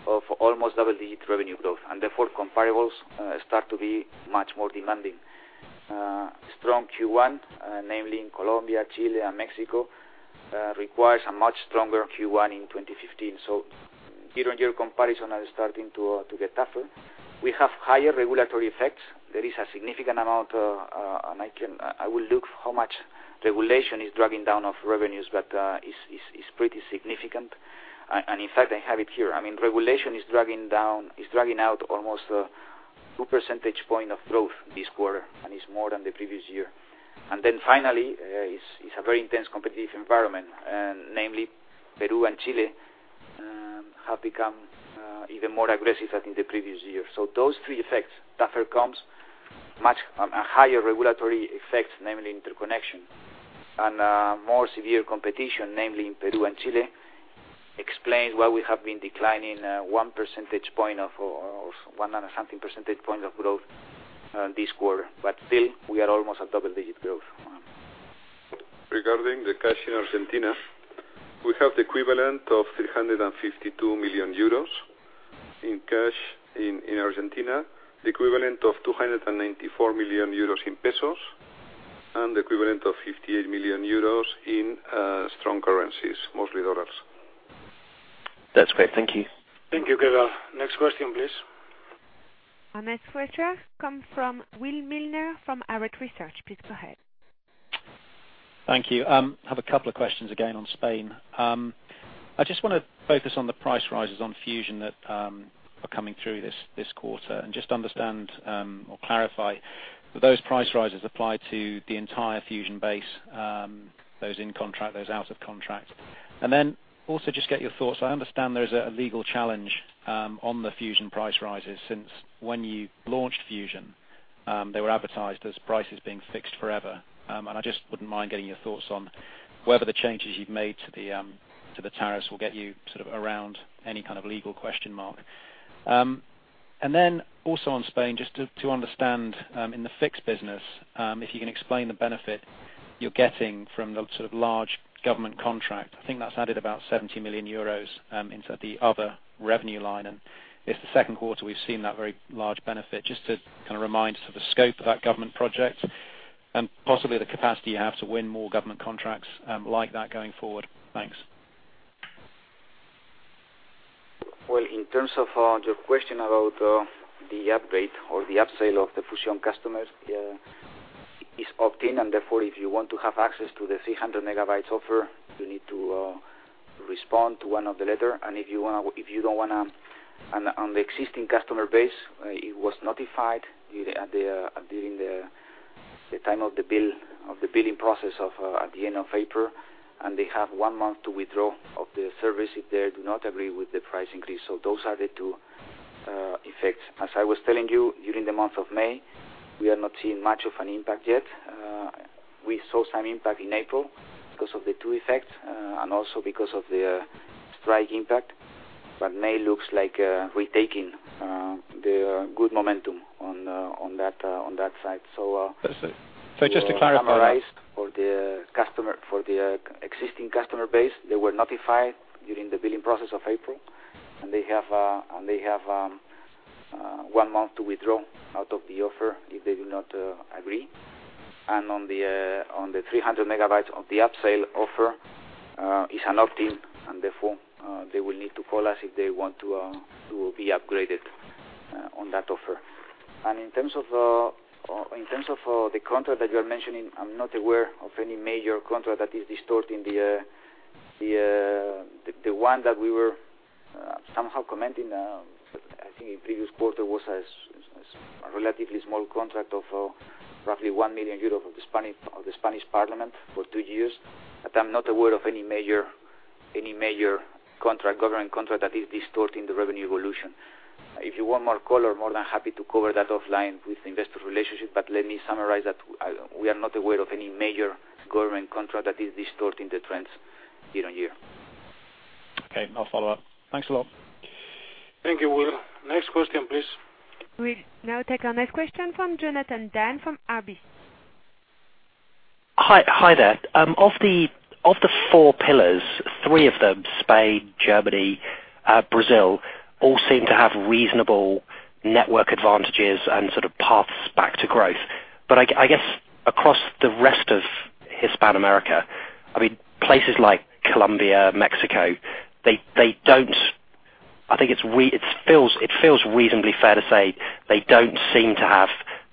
of almost double-digit revenue growth, and therefore comparables start to be much more demanding. Strong Q1, namely in Colombia, Chile, and Mexico, requires a much stronger Q1 in 2015. Year-on-year comparison are starting to get tougher. We have higher regulatory effects. There is a significant amount, and I will look how much regulation is dragging down of revenues, but it's pretty significant. In fact, I have it here. Regulation is dragging out almost two percentage points of growth this quarter, and it's more than the previous year. Finally, it's a very intense competitive environment, and namely Peru and Chile have become even more aggressive than in the previous year. Those three effects, tougher comps, much higher regulatory effects, namely interconnection, and more severe competition, namely in Peru and Chile, explains why we have been declining one percentage point of, or one and something percentage points of growth this quarter. Still, we are almost at double-digit growth. Regarding the cash in Argentina, we have the equivalent of 352 million euros in cash in Argentina, the equivalent of 294 million euros in pesos, and the equivalent of 58 million euros in strong currencies, mostly dollars. That's great. Thank you. Thank you, Gerard. Next question, please. Our next question comes from Will Milner from Arete Research. Please go ahead. Thank you. I have a couple of questions again on Spain. I just want to focus on the price rises on Fusión that are coming through this quarter and just understand, or clarify that those price rises apply to the entire Fusión base, those in contract, those out of contract. Then also just get your thoughts. I understand there's a legal challenge on the Fusión price rises since when you launched Fusión, they were advertised as prices being fixed forever. I just wouldn't mind getting your thoughts on whether the changes you've made to the tariffs will get you sort of around any kind of legal question mark. Then also on Spain, just to understand, in the fixed business, if you can explain the benefit you're getting from the large government contract. I think that's added about 70 million euros into the other revenue line. It's the second quarter we've seen that very large benefit. Just to kind of remind the scope of that government project and possibly the capacity you have to win more government contracts like that going forward. Thanks. Well, in terms of your question about the upgrade or the upsell of the Fusión customers, it's opt-in. Therefore, if you want to have access to the 300 MB offer, you need to respond to one of the letter. If you don't want to on the existing customer base, it was notified during the time of the billing process at the end of April, and they have one month to withdraw of the service if they do not agree with the price increase. Those are the two effects. As I was telling you, during the month of May, we are not seeing much of an impact yet. We saw some impact in April because of the two effects and also because of the strike impact, May looks like we're taking the good momentum on that side. That's it. Just to clarify. To summarize for the existing customer base, they were notified during the billing process of April, they have one month to withdraw out of the offer if they do not agree. On the 300 MB of the upsell offer, it's an opt-in, therefore, they will need to call us if they want to be upgraded on that offer. In terms of the contract that you're mentioning, I'm not aware of any major contract that is distorting. The one that we were somehow commenting, I think in the previous quarter, was a relatively small contract of roughly 1 million euros of the Cortes Generales for 2 years. I'm not aware of any major government contract that is distorting the revenue evolution. If you want more color, more than happy to cover that offline with Investor Relations, let me summarize that we are not aware of any major government contract that is distorting the trends year-on-year. Okay, I'll follow up. Thanks a lot. Thank you, Will. Next question, please. We now take our next question from Jonathan Dann from RBC. Hi there. Of the four pillars, three of them, Spain, Germany, Brazil, all seem to have reasonable network advantages and sort of paths back to growth. I guess across the rest of Hispanoamérica, places like Colombia, Mexico, I think it feels reasonably fair to say they don't seem to have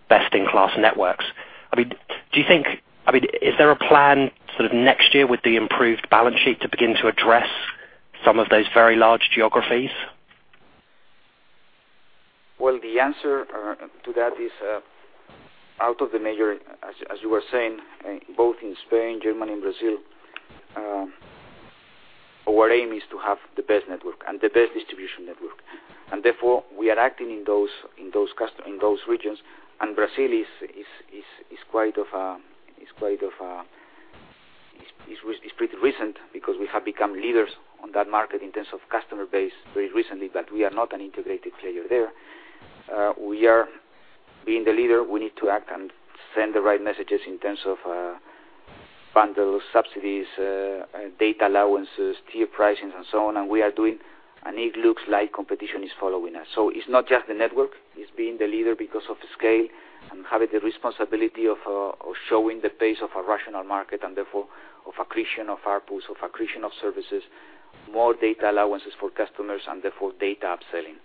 best-in-class networks? Do you think, is there a plan next year with the improved balance sheet to begin to address some of those very large geographies? The answer to that is out of the major, as you were saying, both in Spain, Germany, and Brazil, our aim is to have the best network and the best distribution network. Therefore, we are acting in those regions, and Brazil is pretty recent, because we have become leaders on that market in terms of customer base very recently, but we are not an integrated player there. Being the leader, we need to act and send the right messages in terms of bundles, subsidies, data allowances, tier pricings, and so on. It looks like competition is following us. It's not just the network, it's being the leader because of the scale and having the responsibility of showing the pace of a rational market, therefore of accretion of ARPUs, of accretion of services, more data allowances for customers, and therefore data upselling.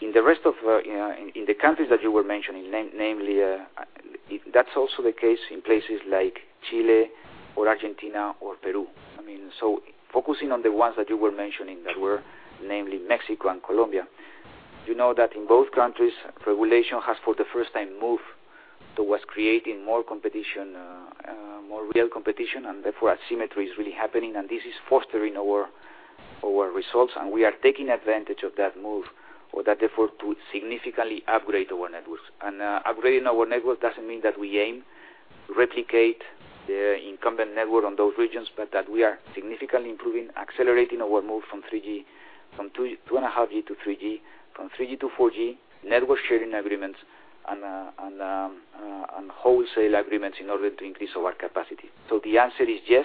In the countries that you were mentioning, namely, that's also the case in places like Chile or Argentina or Peru. Focusing on the ones that you were mentioning that were namely Mexico and Colombia, you know that in both countries, regulation has, for the first time, moved towards creating more real competition, therefore asymmetry is really happening, this is fostering our results, and we are taking advantage of that move or that effort to significantly upgrade our networks. Upgrading our network doesn't mean that we aim to replicate the incumbent network on those regions, but that we are significantly improving, accelerating our move from 2.5G to 3G, from 3G to 4G, network sharing agreements, and wholesale agreements in order to increase our capacity. The answer is yes,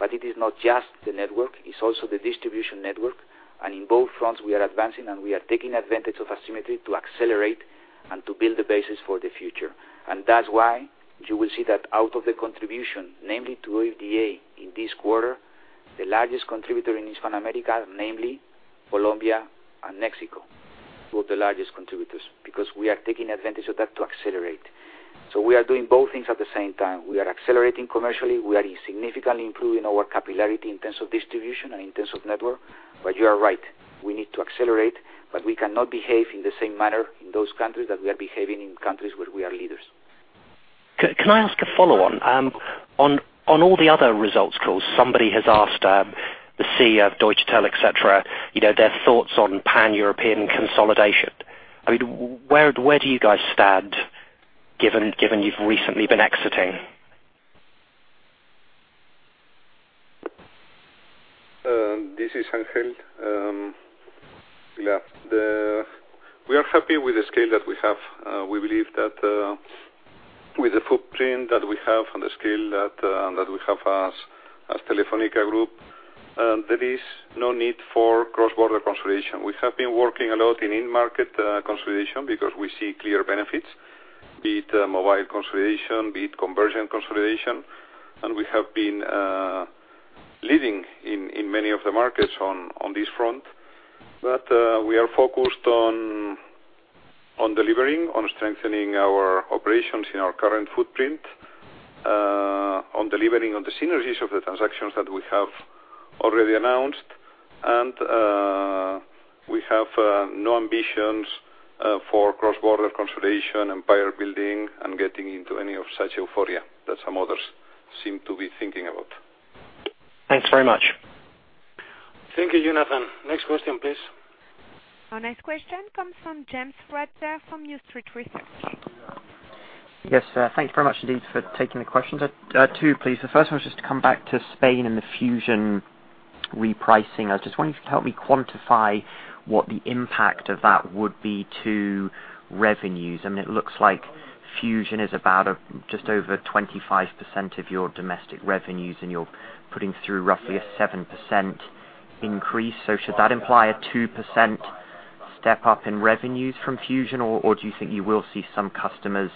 it is not just the network, it's also the distribution network. In both fronts, we are advancing, we are taking advantage of asymmetry to accelerate and to build the basis for the future. That's why you will see that out of the contribution, namely to OIBDA in this quarter, the largest contributor in Hispanoamérica, namely Colombia and Mexico, were the largest contributors, because we are taking advantage of that to accelerate. We are doing both things at the same time. We are accelerating commercially. We are significantly improving our capillarity in terms of distribution and in terms of network. You are right, we need to accelerate, but we cannot behave in the same manner in those countries that we are behaving in countries where we are leaders. Can I ask a follow-on? On all the other results calls, somebody has asked the CEO of Deutsche Telekom, et cetera, their thoughts on Pan-European consolidation. Where do you guys stand given you've recently been exiting? This is Ángel. We are happy with the scale that we have. We believe that with the footprint that we have and the scale that we have as Telefónica Group, there is no need for cross-border consolidation. We have been working a lot in in-market consolidation because we see clear benefits, be it mobile consolidation, be it conversion consolidation, we have been leading in many of the markets on this front. We are focused on delivering, on strengthening our operations in our current footprint, on delivering on the synergies of the transactions that we have already announced. We have no ambitions for cross-border consolidation, empire building, and getting into any of such euphoria that some others seem to be thinking about. Thanks very much. Thank you, Jonathan. Next question, please. Our next question comes from James Ratzer from New Street Research. Yes, thanks very much indeed for taking the questions. Two, please. The first one was just to come back to Spain and the Fusión repricing. I was just wondering if you could help me quantify what the impact of that would be to revenues. It looks like Fusión is about just over 25% of your domestic revenues, and you're putting through roughly a 7% increase. Should that imply a 2% step up in revenues from Fusión, or do you think you will see some customers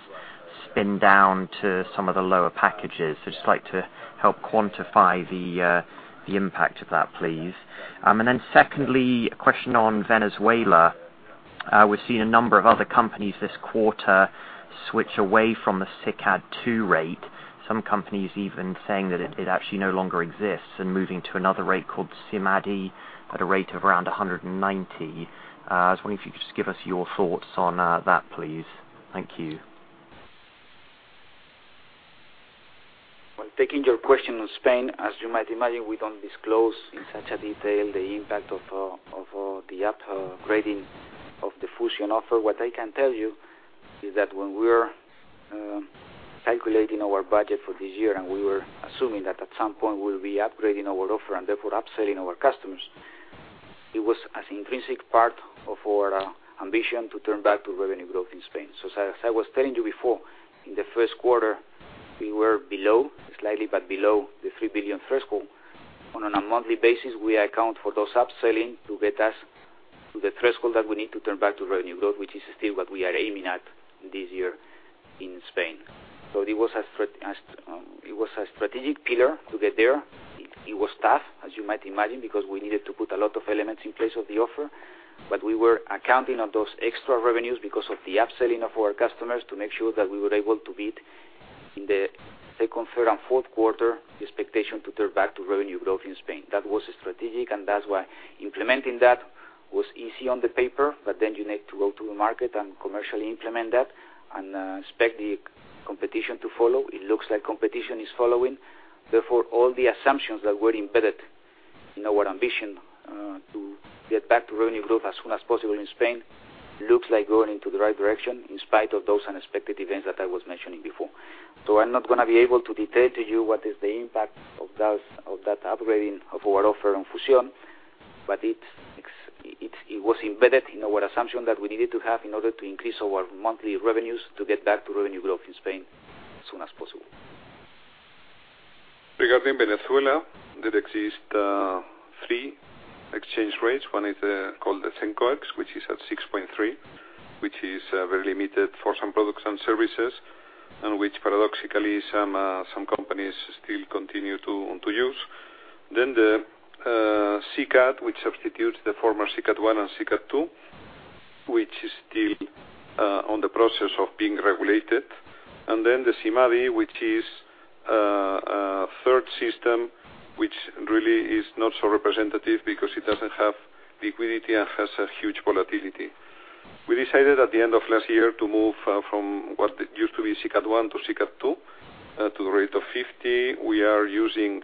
spin down to some of the lower packages? I'd just like to help quantify the impact of that, please. Secondly, a question on Venezuela. We've seen a number of other companies this quarter switch away from the SICAD II rate. Some companies even saying that it actually no longer exists and moving to another rate called SIMADI at a rate of around 190. I was wondering if you could just give us your thoughts on that, please. Thank you. Taking your question on Spain, as you might imagine, we don't disclose in such detail the impact of the upgrading of the Fusión offer. What I can tell you is that when we were calculating our budget for this year, and we were assuming that at some point we'll be upgrading our offer and therefore upselling our customers, it was an intrinsic part of our ambition to turn back to revenue growth in Spain. As I was telling you before, in the first quarter, we were below, slightly but below the 3 billion threshold. On a monthly basis, we account for those upselling to get us to the threshold that we need to turn back to revenue growth, which is still what we are aiming at this year in Spain. It was a strategic pillar to get there. It was tough, as you might imagine, because we needed to put a lot of elements in place of the offer. We were accounting on those extra revenues because of the upselling of our customers to make sure that we were able to beat in the second, third, and fourth quarter the expectation to turn back to revenue growth in Spain. That was strategic, and that's why implementing that was easy on the paper, you need to go to the market and commercially implement that and expect the competition to follow. It looks like competition is following. All the assumptions that were embedded in our ambition to get back to revenue growth as soon as possible in Spain looks like going into the right direction in spite of those unexpected events that I was mentioning before. I'm not going to be able to detail to you what is the impact of that upgrading of our offer on Fusión, it was embedded in our assumption that we needed to have in order to increase our monthly revenues to get back to revenue growth in Spain as soon as possible. Regarding Venezuela, there exist three exchange rates. One is called the CENCOEX, which is at 6.3, which is very limited for some products and services, and which paradoxically some companies still continue to use. The SICAD, which substitutes the former SICAD 1 and SICAD 2, which is still on the process of being regulated. The SIMADI, which is a third system, which really is not so representative because it doesn't have liquidity and has a huge volatility. We decided at the end of last year to move from what used to be SICAD 1 to SICAD 2 to the rate of 50. We are using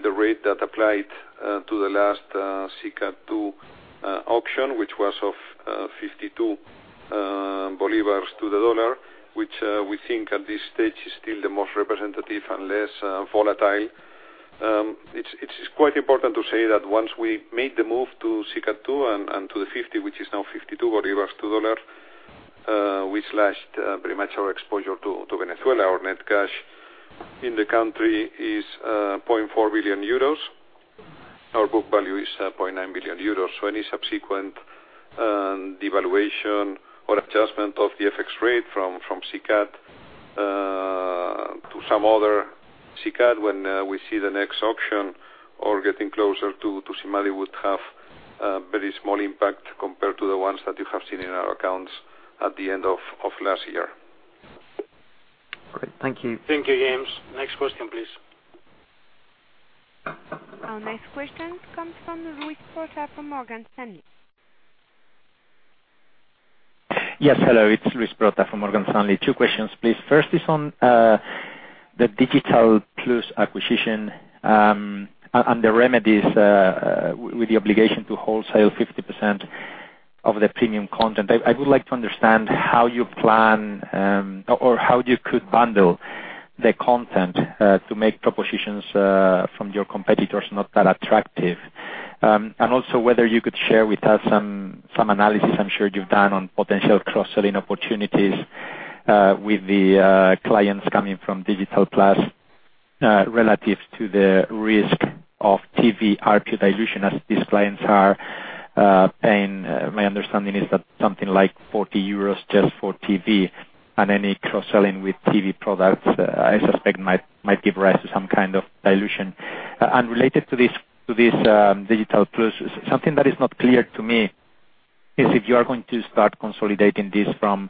the rate that applied to the last SICAD 2 auction, which was of 52 bolivars to the USD, which we think at this stage is still the most representative and less volatile. It's quite important to say that once we made the move to SICAD II and to the 50, which is now 52 bolivars to dollar, we slashed pretty much our exposure to Venezuela. Our net cash in the country is 0.4 billion euros. Our book value is 0.9 billion euros. Any subsequent devaluation or adjustment of the FX rate from SICAD to some other SICAD when we see the next auction or getting closer to SIMADI would have a very small impact compared to the ones that you have seen in our accounts at the end of last year. Great. Thank you. Thank you, James. Next question, please. Our next question comes from Luis Prota from Morgan Stanley. Yes, hello. It is Luis Prota from Morgan Stanley. Two questions, please. First is on the Digital+ acquisition, and the remedies with the obligation to wholesale 50% of the premium content. I would like to understand how you plan or how you could bundle the content to make propositions from your competitors not that attractive. Also whether you could share with us some analysis I am sure you have done on potential cross-selling opportunities with the clients coming from Digital+ relative to the risk of TV ARPU dilution as these clients are paying. My understanding is that something like 40 euros just for TV and any cross-selling with TV products, I suspect might give rise to some kind of dilution. Related to this Digital+, something that is not clear to me is if you are going to start consolidating this from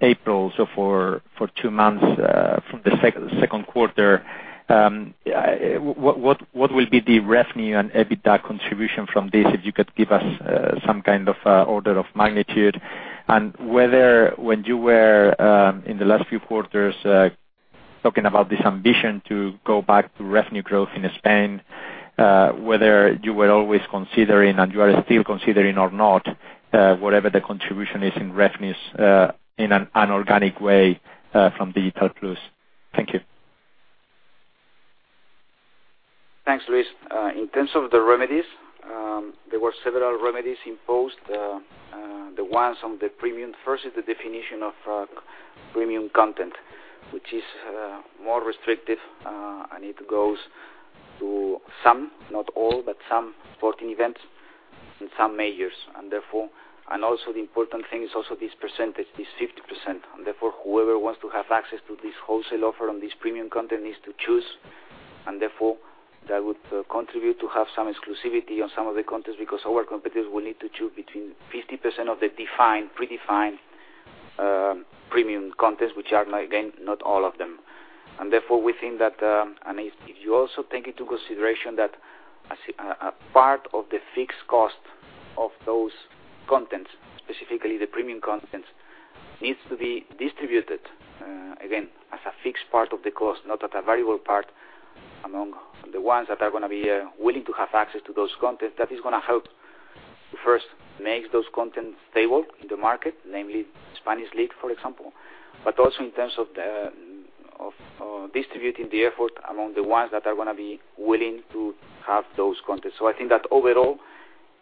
April, so for two months from the second quarter. What will be the revenue and EBITDA contribution from this, if you could give us some kind of order of magnitude? Whether when you were, in the last few quarters, talking about this ambition to go back to revenue growth in Spain, whether you were always considering and you are still considering or not, whatever the contribution is in revenues in an organic way from Digital+. Thank you. Thanks, Luis. In terms of the remedies, there were several remedies imposed. The ones on the premium. First is the definition of premium content, which is more restrictive, and it goes to some, not all, but some sporting events in some majors. Also the important thing is also this percentage, this 50%. Therefore, whoever wants to have access to this wholesale offer on this premium content needs to choose. Therefore, that would contribute to have some exclusivity on some of the content because our competitors will need to choose between 50% of the defined, predefined premium content, which are, again, not all of them. Therefore, we think that if you also take into consideration that a part of the fixed cost of those contents, specifically the premium contents, needs to be distributed, again, as a fixed part of the cost, not at a variable part, among the ones that are going to be willing to have access to those content. That is going to help first make those content stable in the market, namely La Liga, for example, but also in terms of distributing the effort among the ones that are going to be willing to have those content. I think that overall,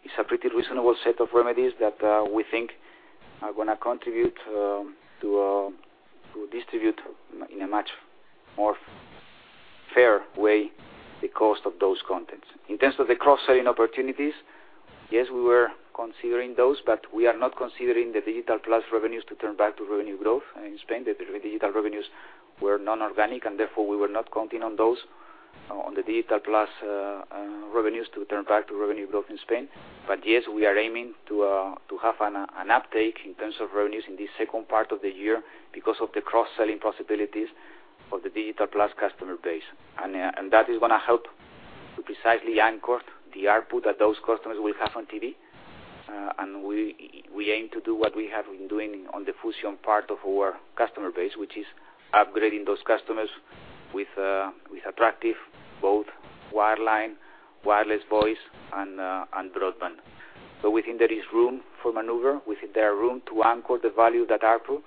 it is a pretty reasonable set of remedies that we think are going to contribute to distribute in a much more fair way the cost of those contents. In terms of the cross-selling opportunities, yes, we were considering those, but we are not considering the Digital+ revenues to turn back to revenue growth in Spain. The Digital+ revenues were non-organic, and therefore, we were not counting on those, on the Digital+ revenues to turn back to revenue growth in Spain. Yes, we are aiming to have an uptake in terms of revenues in the second part of the year because of the cross-selling possibilities of the Digital+ customer base. That is going to help to precisely anchor the ARPU that those customers will have on TV. We aim to do what we have been doing on the Fusión part of our customer base, which is upgrading those customers with attractive, both wireline, wireless voice, and broadband. We think there is room for maneuver. We think there is room to anchor the value, that ARPU,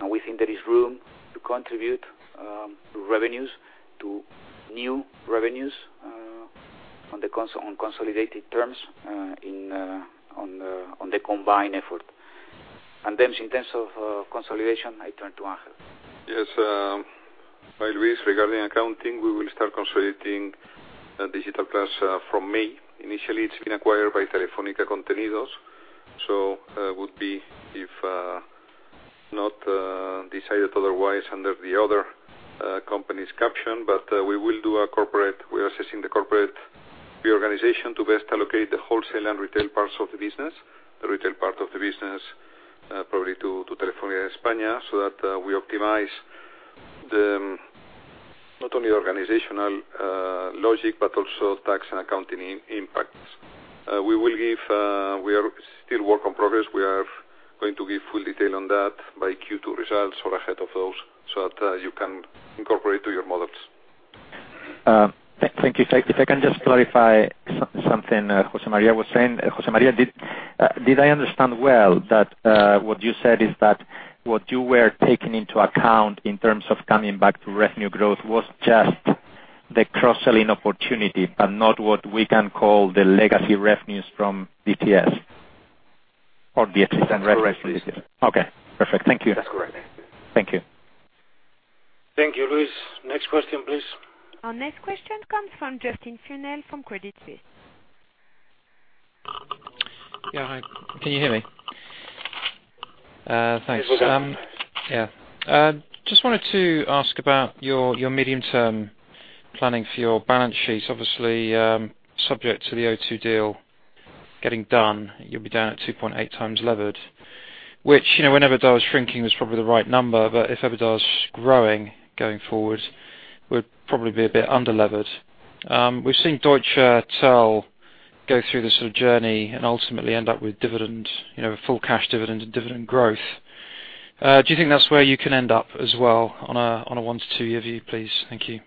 and we think there is room to contribute to new revenues on consolidated terms on the combined effort. In terms of consolidation, I turn to Ángel. Yes. By the way, regarding accounting, we will start consolidating Digital+ from May. Initially, it's been acquired by Telefónica Contenidos, so would be, if not decided otherwise, under the other company's caption. We're assessing the corporate reorganization to best allocate the wholesale and retail parts of the business. The retail part of the business, probably to Telefónica de España, so that we optimize the, not only organizational logic, but also tax and accounting impacts. We are still work in progress. We are going to give full detail on that by Q2 results or ahead of those, so that you can incorporate to your models. Thank you. I can just clarify something José María was saying. José María, did I understand well that what you said is that what you were taking into account in terms of coming back to revenue growth was just the cross-selling opportunity, but not what we can call the legacy revenues from DTS or the existing revenues? Correct. Okay, perfect. Thank you. That's correct. Thank you. Thank you, Luis. Next question, please. Our next question comes from Justin Funnell from Credit Suisse. Yeah. Hi, can you hear me? Thanks. Yes, we can. Yeah. Just wanted to ask about your medium-term planning for your balance sheet. Obviously, subject to the O2 deal getting done, you'll be down at 2.8 times levered, which whenever EBITDA was shrinking was probably the right number. If EBITDA is growing, going forward, we'd probably be a bit under-levered. We've seen Deutsche Telekom go through this sort of journey and ultimately end up with a full cash dividend and dividend growth. Do you think that's where you can end up as well? On a one to two year view, please. Thank you.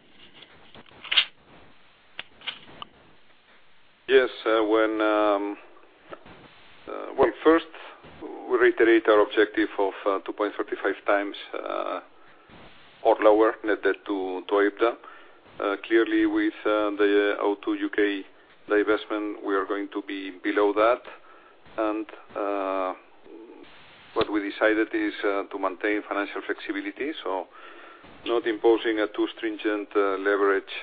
Well, first, we reiterate our objective of 2.35x or lower net debt to EBITDA. Clearly, with the O2 U.K. divestment, we are going to be below that. What we decided is to maintain financial flexibility, not imposing a too stringent leverage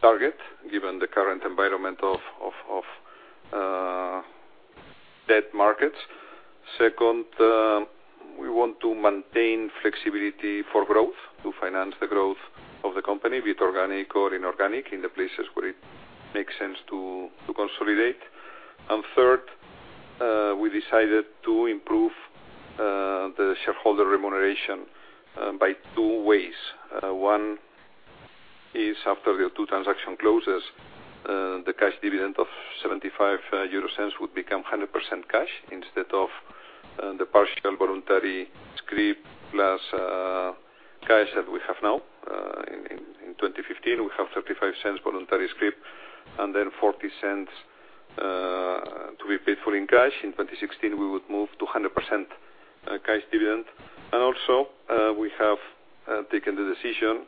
target, given the current environment of debt markets. Second, we want to maintain flexibility for growth, to finance the growth of the company, be it organic or inorganic, in the places where it makes sense to consolidate. Third, we decided to improve the shareholder remuneration by two ways. One is after the O2 transaction closes, the cash dividend of 0.75 would become 100% cash instead of the partial voluntary scrip, plus cash that we have now. In 2015, we have 0.35 voluntary scrip, then 0.40 to be paid for in cash. In 2016, we would move to 100% cash dividend. Also, we have taken the decision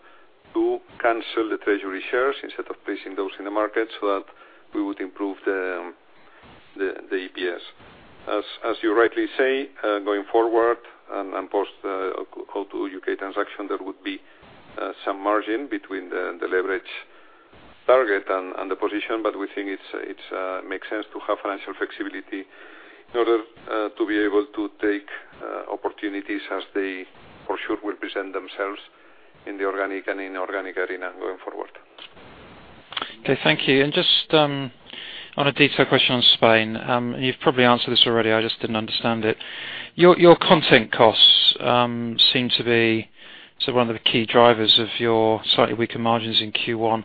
to cancel the treasury shares instead of placing those in the market that we would improve the EPS. As you rightly say, going forward, post the O2 U.K. transaction, there would be some margin between the leverage target and the position. We think it makes sense to have financial flexibility in order to be able to take opportunities as they, for sure, will present themselves in the organic and inorganic arena going forward. Thank you. Just on a detailed question on Spain, you've probably answered this already, I just didn't understand it. Your content costs seem to be one of the key drivers of your slightly weaker margins in Q1.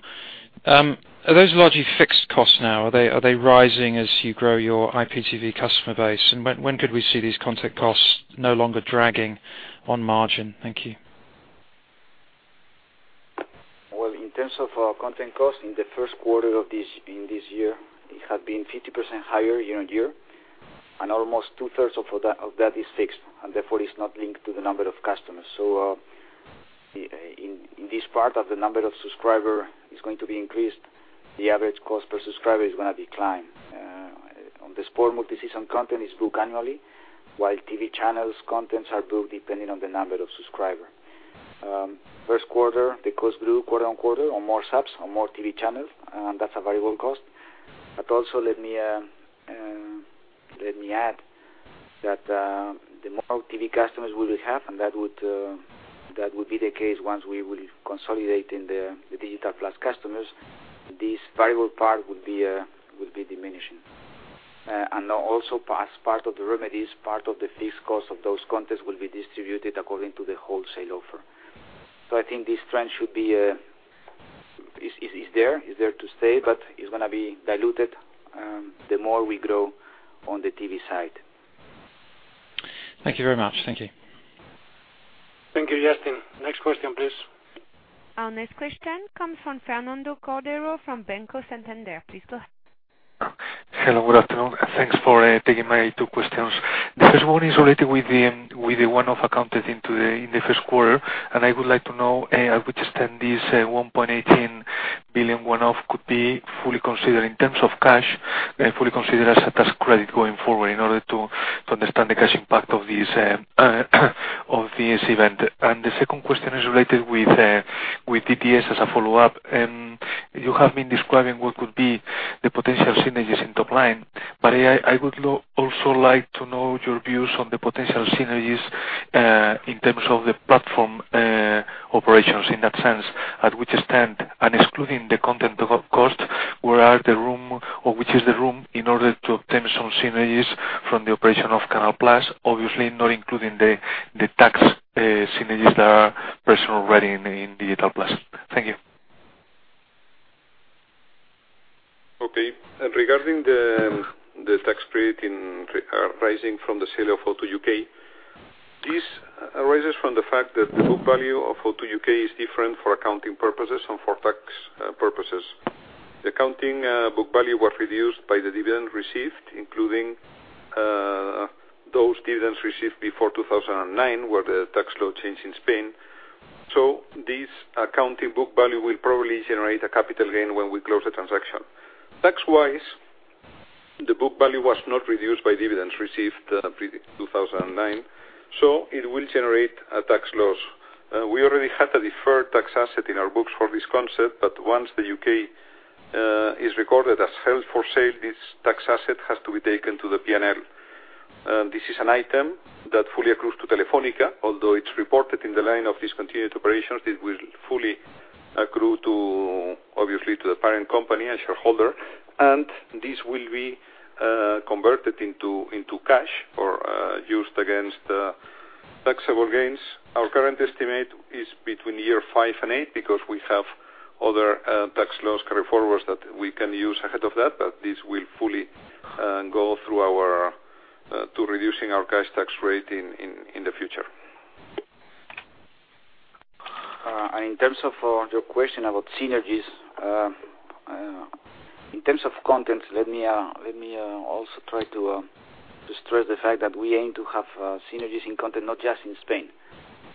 Are those largely fixed costs now? Are they rising as you grow your IPTV customer base? When could we see these content costs no longer dragging on margin? Thank you. Well, in terms of our content cost, in the first quarter in this year, it had been 50% higher year-on-year. Almost two-thirds of that is fixed, and therefore is not linked to the number of customers. In this part, the number of subscribers is going to be increased. The average cost per subscriber is going to decline. On the sport multi-season content is booked annually, while TV channels contents are booked depending on the number of subscribers. First quarter, the cost grew quarter-on-quarter on more subs, on more TV channels, and that's a variable cost. Also let me add that the more TV customers we will have, and that would be the case once we will consolidate in the Digital+ customers, this variable part would be diminishing. Also as part of the remedies, part of the fixed cost of those contents will be distributed according to the wholesale offer. I think this trend is there, is there to stay, but it's going to be diluted, the more we grow on the TV side. Thank you very much. Thank you. Thank you, Justin. Next question, please. Our next question comes from Fernando Cordero of Banco Santander. Please go ahead. Hello, good afternoon. Thanks for taking my two questions. The first one is related with the one-off accounted in the first quarter. I would like to know to what extent this 1.18 billion one-off could be fully considered in terms of cash, and fully considered as a tax credit going forward in order to understand the cash impact of this event. The second question is related with DTS as a follow-up. You have been describing what could be the potential synergies in top line. I would also like to know your views on the potential synergies, in terms of the platform operations in that sense, to what extent, and excluding the content of cost, where are the room or which is the room in order to obtain some synergies from the operation of Canal+, obviously not including the tax synergies that are present already in Digital+. Thank you. Okay. Regarding the tax credit arising from the sale of O2 UK. This arises from the fact that the book value of O2 UK is different for accounting purposes and for tax purposes. The accounting book value was reduced by the dividend received, including those dividends received before 2009, where the tax law changed in Spain. This accounting book value will probably generate a capital gain when we close the transaction. Tax-wise, the book value was not reduced by dividends received pre-2009, so it will generate a tax loss. We already had a deferred tax asset in our books for this concept, but once the U.K. is recorded as held for sale, this tax asset has to be taken to the P&L. This is an item that fully accrues to Telefónica, although it's reported in the line of discontinued operations, it will fully accrue obviously to the parent company and shareholder, and this will be converted into cash or used against taxable gains. Our current estimate is between year five and eight because we have other tax loss carryforwards that we can use ahead of that. This will fully go through to reducing our cash tax rate in the future. In terms of your question about synergies. In terms of content, let me also try to stress the fact that we aim to have synergies in content, not just in Spain.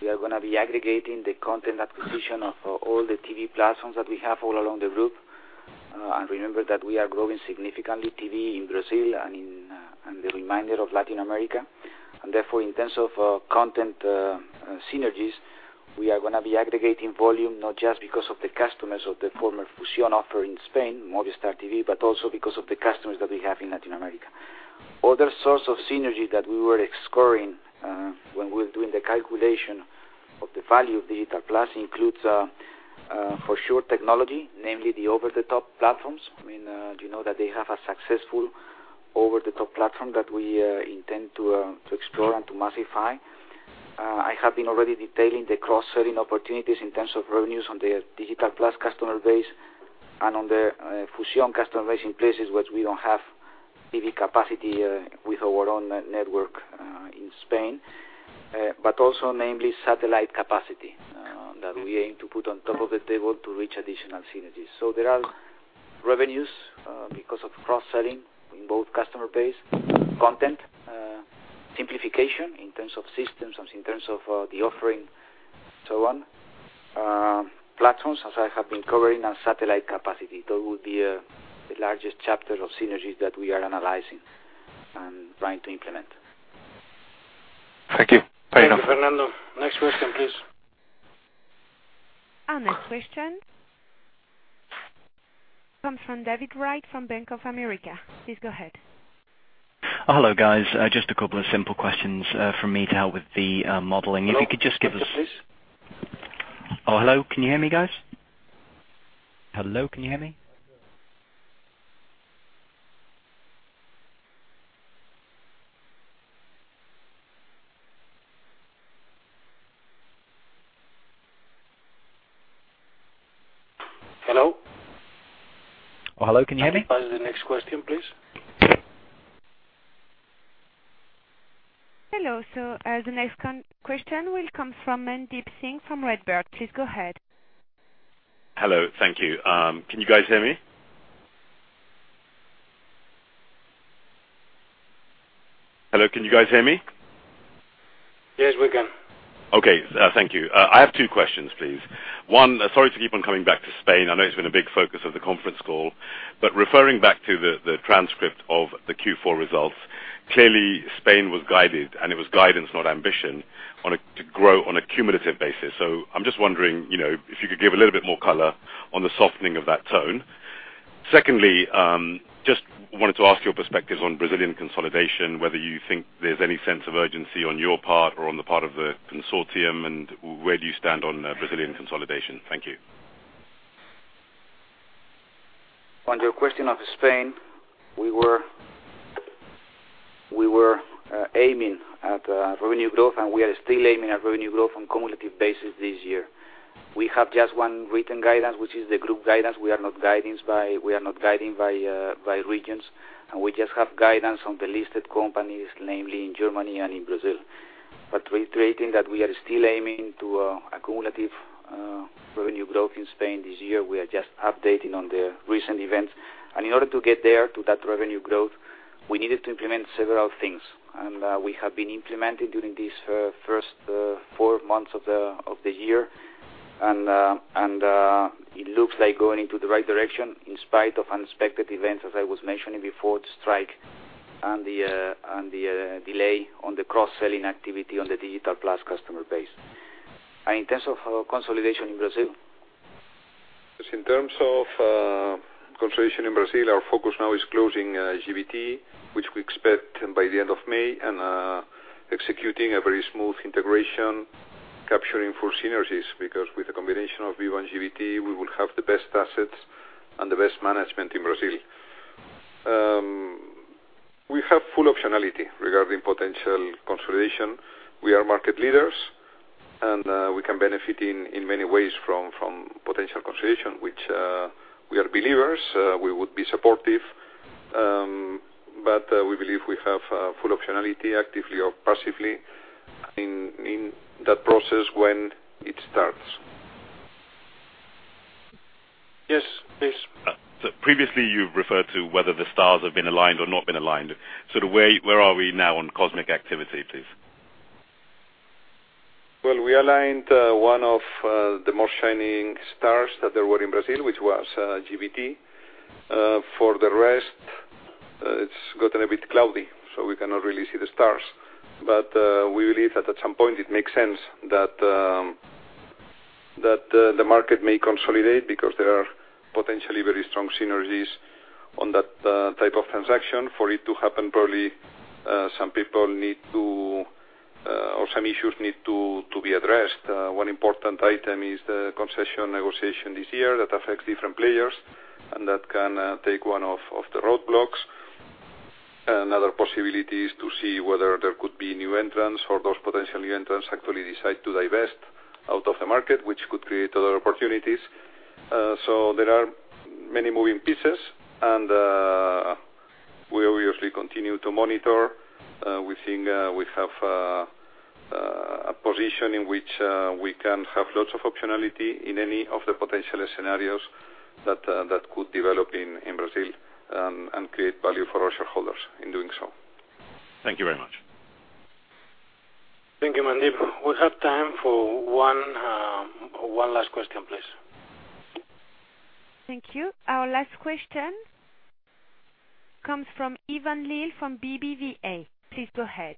We are going to be aggregating the content acquisition of all the TV platforms that we have all along the group. Remember that we are growing significantly TV in Brazil and the remainder of Latin America. Therefore, in terms of content synergies, we are going to be aggregating volume, not just because of the customers of the former Fusión offer in Spain, Movistar TV, but also because of the customers that we have in Latin America. Other source of synergy that we were exploring when we were doing the calculation of the value of Digital+ includes, for sure technology, namely the over-the-top platforms. You know that they have a successful over-the-top platform that we intend to explore and to massify. I have been already detailing the cross-selling opportunities in terms of revenues on the Digital+ customer base and on the Fusión customer base in places which we don't have TV capacity with our own network in Spain. Also namely satellite capacity that we aim to put on top of the table to reach additional synergies. There are revenues because of cross-selling in both customer base content, simplification in terms of systems, in terms of the offering and so on. Platforms, as I have been covering, and satellite capacity, that would be the largest chapter of synergies that we are analyzing and trying to implement. Thank you. Thank you, Fernando. Next question, please. Our next question comes from David Wright from Bank of America. Please go ahead. Hello, guys. Just a couple of simple questions from me to help with the modeling. If you could just give us- Hello? Oh, hello. Can you hear me, guys? Hello, can you hear me? Hello? Hello, can you hear me? Can we pass the next question, please? Hello, the next question will come from Mandeep Singh from Redburn. Please go ahead. Hello. Thank you. Can you guys hear me? Hello, can you guys hear me? Yes, we can. Okay. Thank you. I have two questions, please. One, sorry to keep on coming back to Spain. I know it's been a big focus of the conference call, referring back to the transcript of the Q4 results. Clearly, Spain was guided, and it was guidance, not ambition, to grow on a cumulative basis. I'm just wondering if you could give a little bit more color on the softening of that tone. Secondly, just wanted to ask your perspective on Brazilian consolidation, whether you think there's any sense of urgency on your part or on the part of the consortium, and where do you stand on Brazilian consolidation? Thank you. On your question of Spain, we were aiming at revenue growth, we are still aiming at revenue growth on cumulative basis this year. We have just one written guidance, which is the group guidance. We are not guiding by regions, we just have guidance on the listed companies, namely in Germany and in Brazil. Reiterating that we are still aiming to a cumulative revenue growth in Spain this year. We are just updating on the recent events. In order to get there, to that revenue growth, we needed to implement several things. We have been implementing during these first four months of the year. It looks like going into the right direction in spite of unexpected events, as I was mentioning before, the strike and the delay on the cross-selling activity on the Digital+ customer base. In terms of consolidation in Brazil? Yes, in terms of consolidation in Brazil, our focus now is closing GVT, which we expect by the end of May, and executing a very smooth integration, capturing full synergies. Because with the combination of Vivo and GVT, we will have the best assets and the best management in Brazil. We have full optionality regarding potential consolidation. We are market leaders, we can benefit in many ways from potential consolidation, which we are believers. We would be supportive. We believe we have full optionality, actively or passively, in that process when it starts. Yes, please. Previously, you've referred to whether the stars have been aligned or not been aligned. Where are we now on cosmic activity, please? Well, we aligned one of the most shining stars that there were in Brazil, which was GVT. For the rest, it's gotten a bit cloudy, we cannot really see the stars. We believe that at some point it makes sense that the market may consolidate because there are potentially very strong synergies on that type of transaction. For it to happen, probably some people need to, or some issues need to be addressed. One important item is the concession negotiation this year that affects different players, and that can take one off the roadblocks. Another possibility is to see whether there could be new entrants or those potential new entrants actually decide to divest out of the market, which could create other opportunities. There are many moving pieces, and we obviously continue to monitor. We think we have a position in which we can have lots of optionality in any of the potential scenarios that could develop in Brazil, and create value for our shareholders in doing so. Thank you very much. Thank you, Mandeep. We have time for one last question, please. Thank you. Our last question comes from Iván Gil from BBVA. Please go ahead.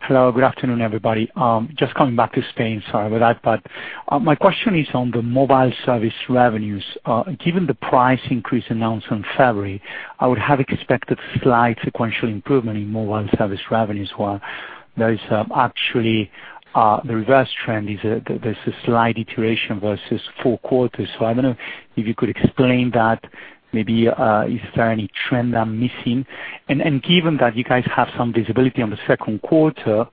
Hello. Good afternoon, everybody. Coming back to Spain, sorry about that, my question is on the mobile service revenues. Given the price increase announced on February, I would have expected slight sequential improvement in mobile service revenues, while there is actually the reverse trend, there's a slight deterioration versus four quarters. I don't know if you could explain that. Maybe is there any trend I'm missing? Given that you guys have some visibility on the second quarter,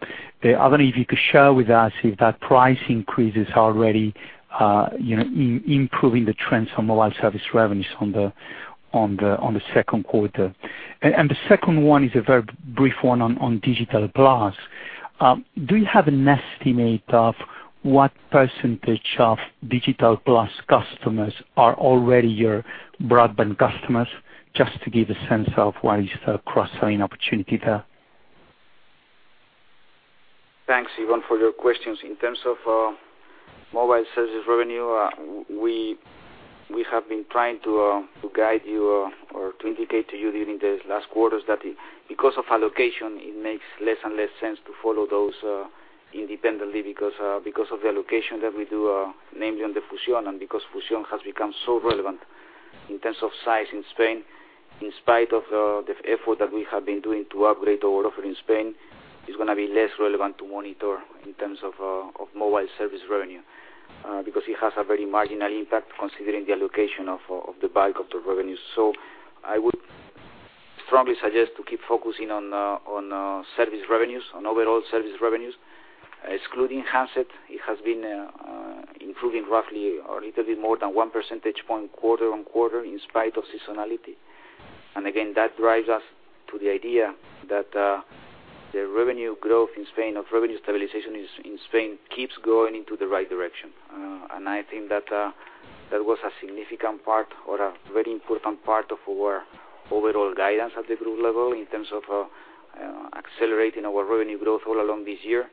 I don't know if you could share with us if that price increase is already improving the trends on mobile service revenues on the second quarter. The second one is a very brief one on Digital+. Do you have an estimate of what % of Digital+ customers are already your broadband customers, just to give a sense of what is the cross-selling opportunity there? Thanks, Iván, for your questions. In terms of mobile services revenue, we have been trying to guide you or to indicate to you during the last quarters that because of allocation, it makes less and less sense to follow those independently because of the allocation that we do, namely on the Fusión. Because Fusión has become so relevant in terms of size in Spain, in spite of the effort that we have been doing to upgrade our offering in Spain, it's going to be less relevant to monitor in terms of mobile service revenue. Because it has a very marginal impact considering the allocation of the bulk of the revenue. I would strongly suggest to keep focusing on service revenues, on overall service revenues, excluding handset. It has been improving roughly or a little bit more than one percentage point quarter-on-quarter in spite of seasonality. Again, that drives us to the idea that the revenue growth in Spain or revenue stabilization in Spain keeps going into the right direction. I think that was a significant part or a very important part of our overall guidance at the group level in terms of accelerating our revenue growth all along this year.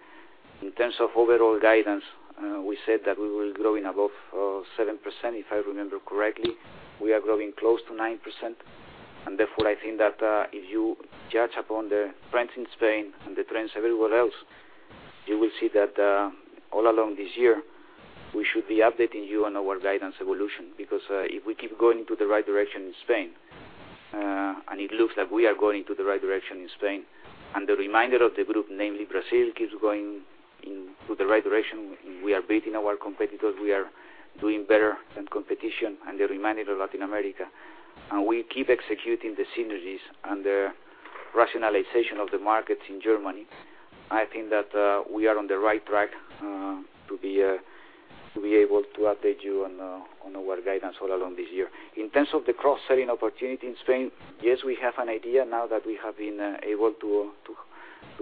In terms of overall guidance, we said that we were growing above 7%, if I remember correctly. We are growing close to 9%. Therefore, I think that if you judge upon the trends in Spain and the trends everywhere else, you will see that all along this year, we should be updating you on our guidance evolution. If we keep going to the right direction in Spain, and it looks like we are going to the right direction in Spain, and the remainder of the group, namely Brazil, keeps going to the right direction, we are beating our competitors, we are doing better than competition and the remainder of Latin America, and we keep executing the synergies and the rationalization of the markets in Germany, I think that we are on the right track to be able to update you on our guidance all along this year. In terms of the cross-selling opportunity in Spain, yes, we have an idea now that we have been able to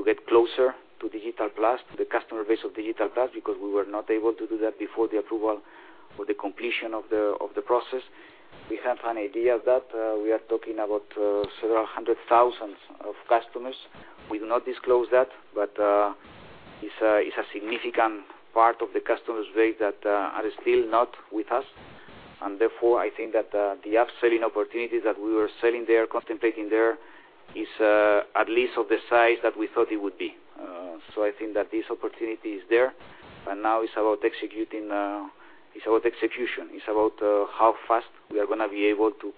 get closer to Digital+, the customer base of Digital+, because we were not able to do that before the approval or the completion of the process. We have an idea that we are talking about several hundred thousands of customers. We do not disclose that, but it's a significant part of the customer's base that are still not with us. Therefore, I think that the upselling opportunities that we were selling there, contemplating there, is at least of the size that we thought it would be. I think that this opportunity is there, and now it's about execution. It's about how fast we are going to be able to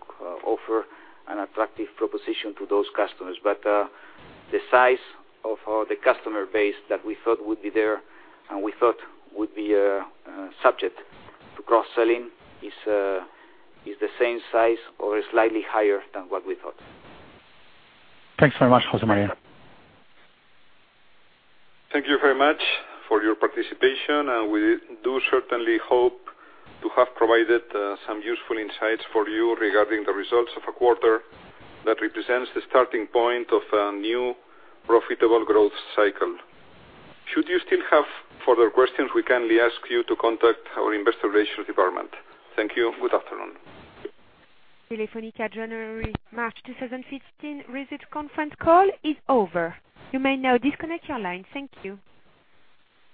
offer an attractive proposition to those customers. The size of the customer base that we thought would be there and we thought would be subject to cross-selling is the same size or slightly higher than what we thought. Thanks very much, José María. Thank you very much for your participation. We do certainly hope to have provided some useful insights for you regarding the results of a quarter that represents the starting point of a new profitable growth cycle. Should you still have further questions, we kindly ask you to contact our Investor Relations department. Thank you. Good afternoon. Telefónica January-March 2015 results conference call is over. You may now disconnect your line. Thank you.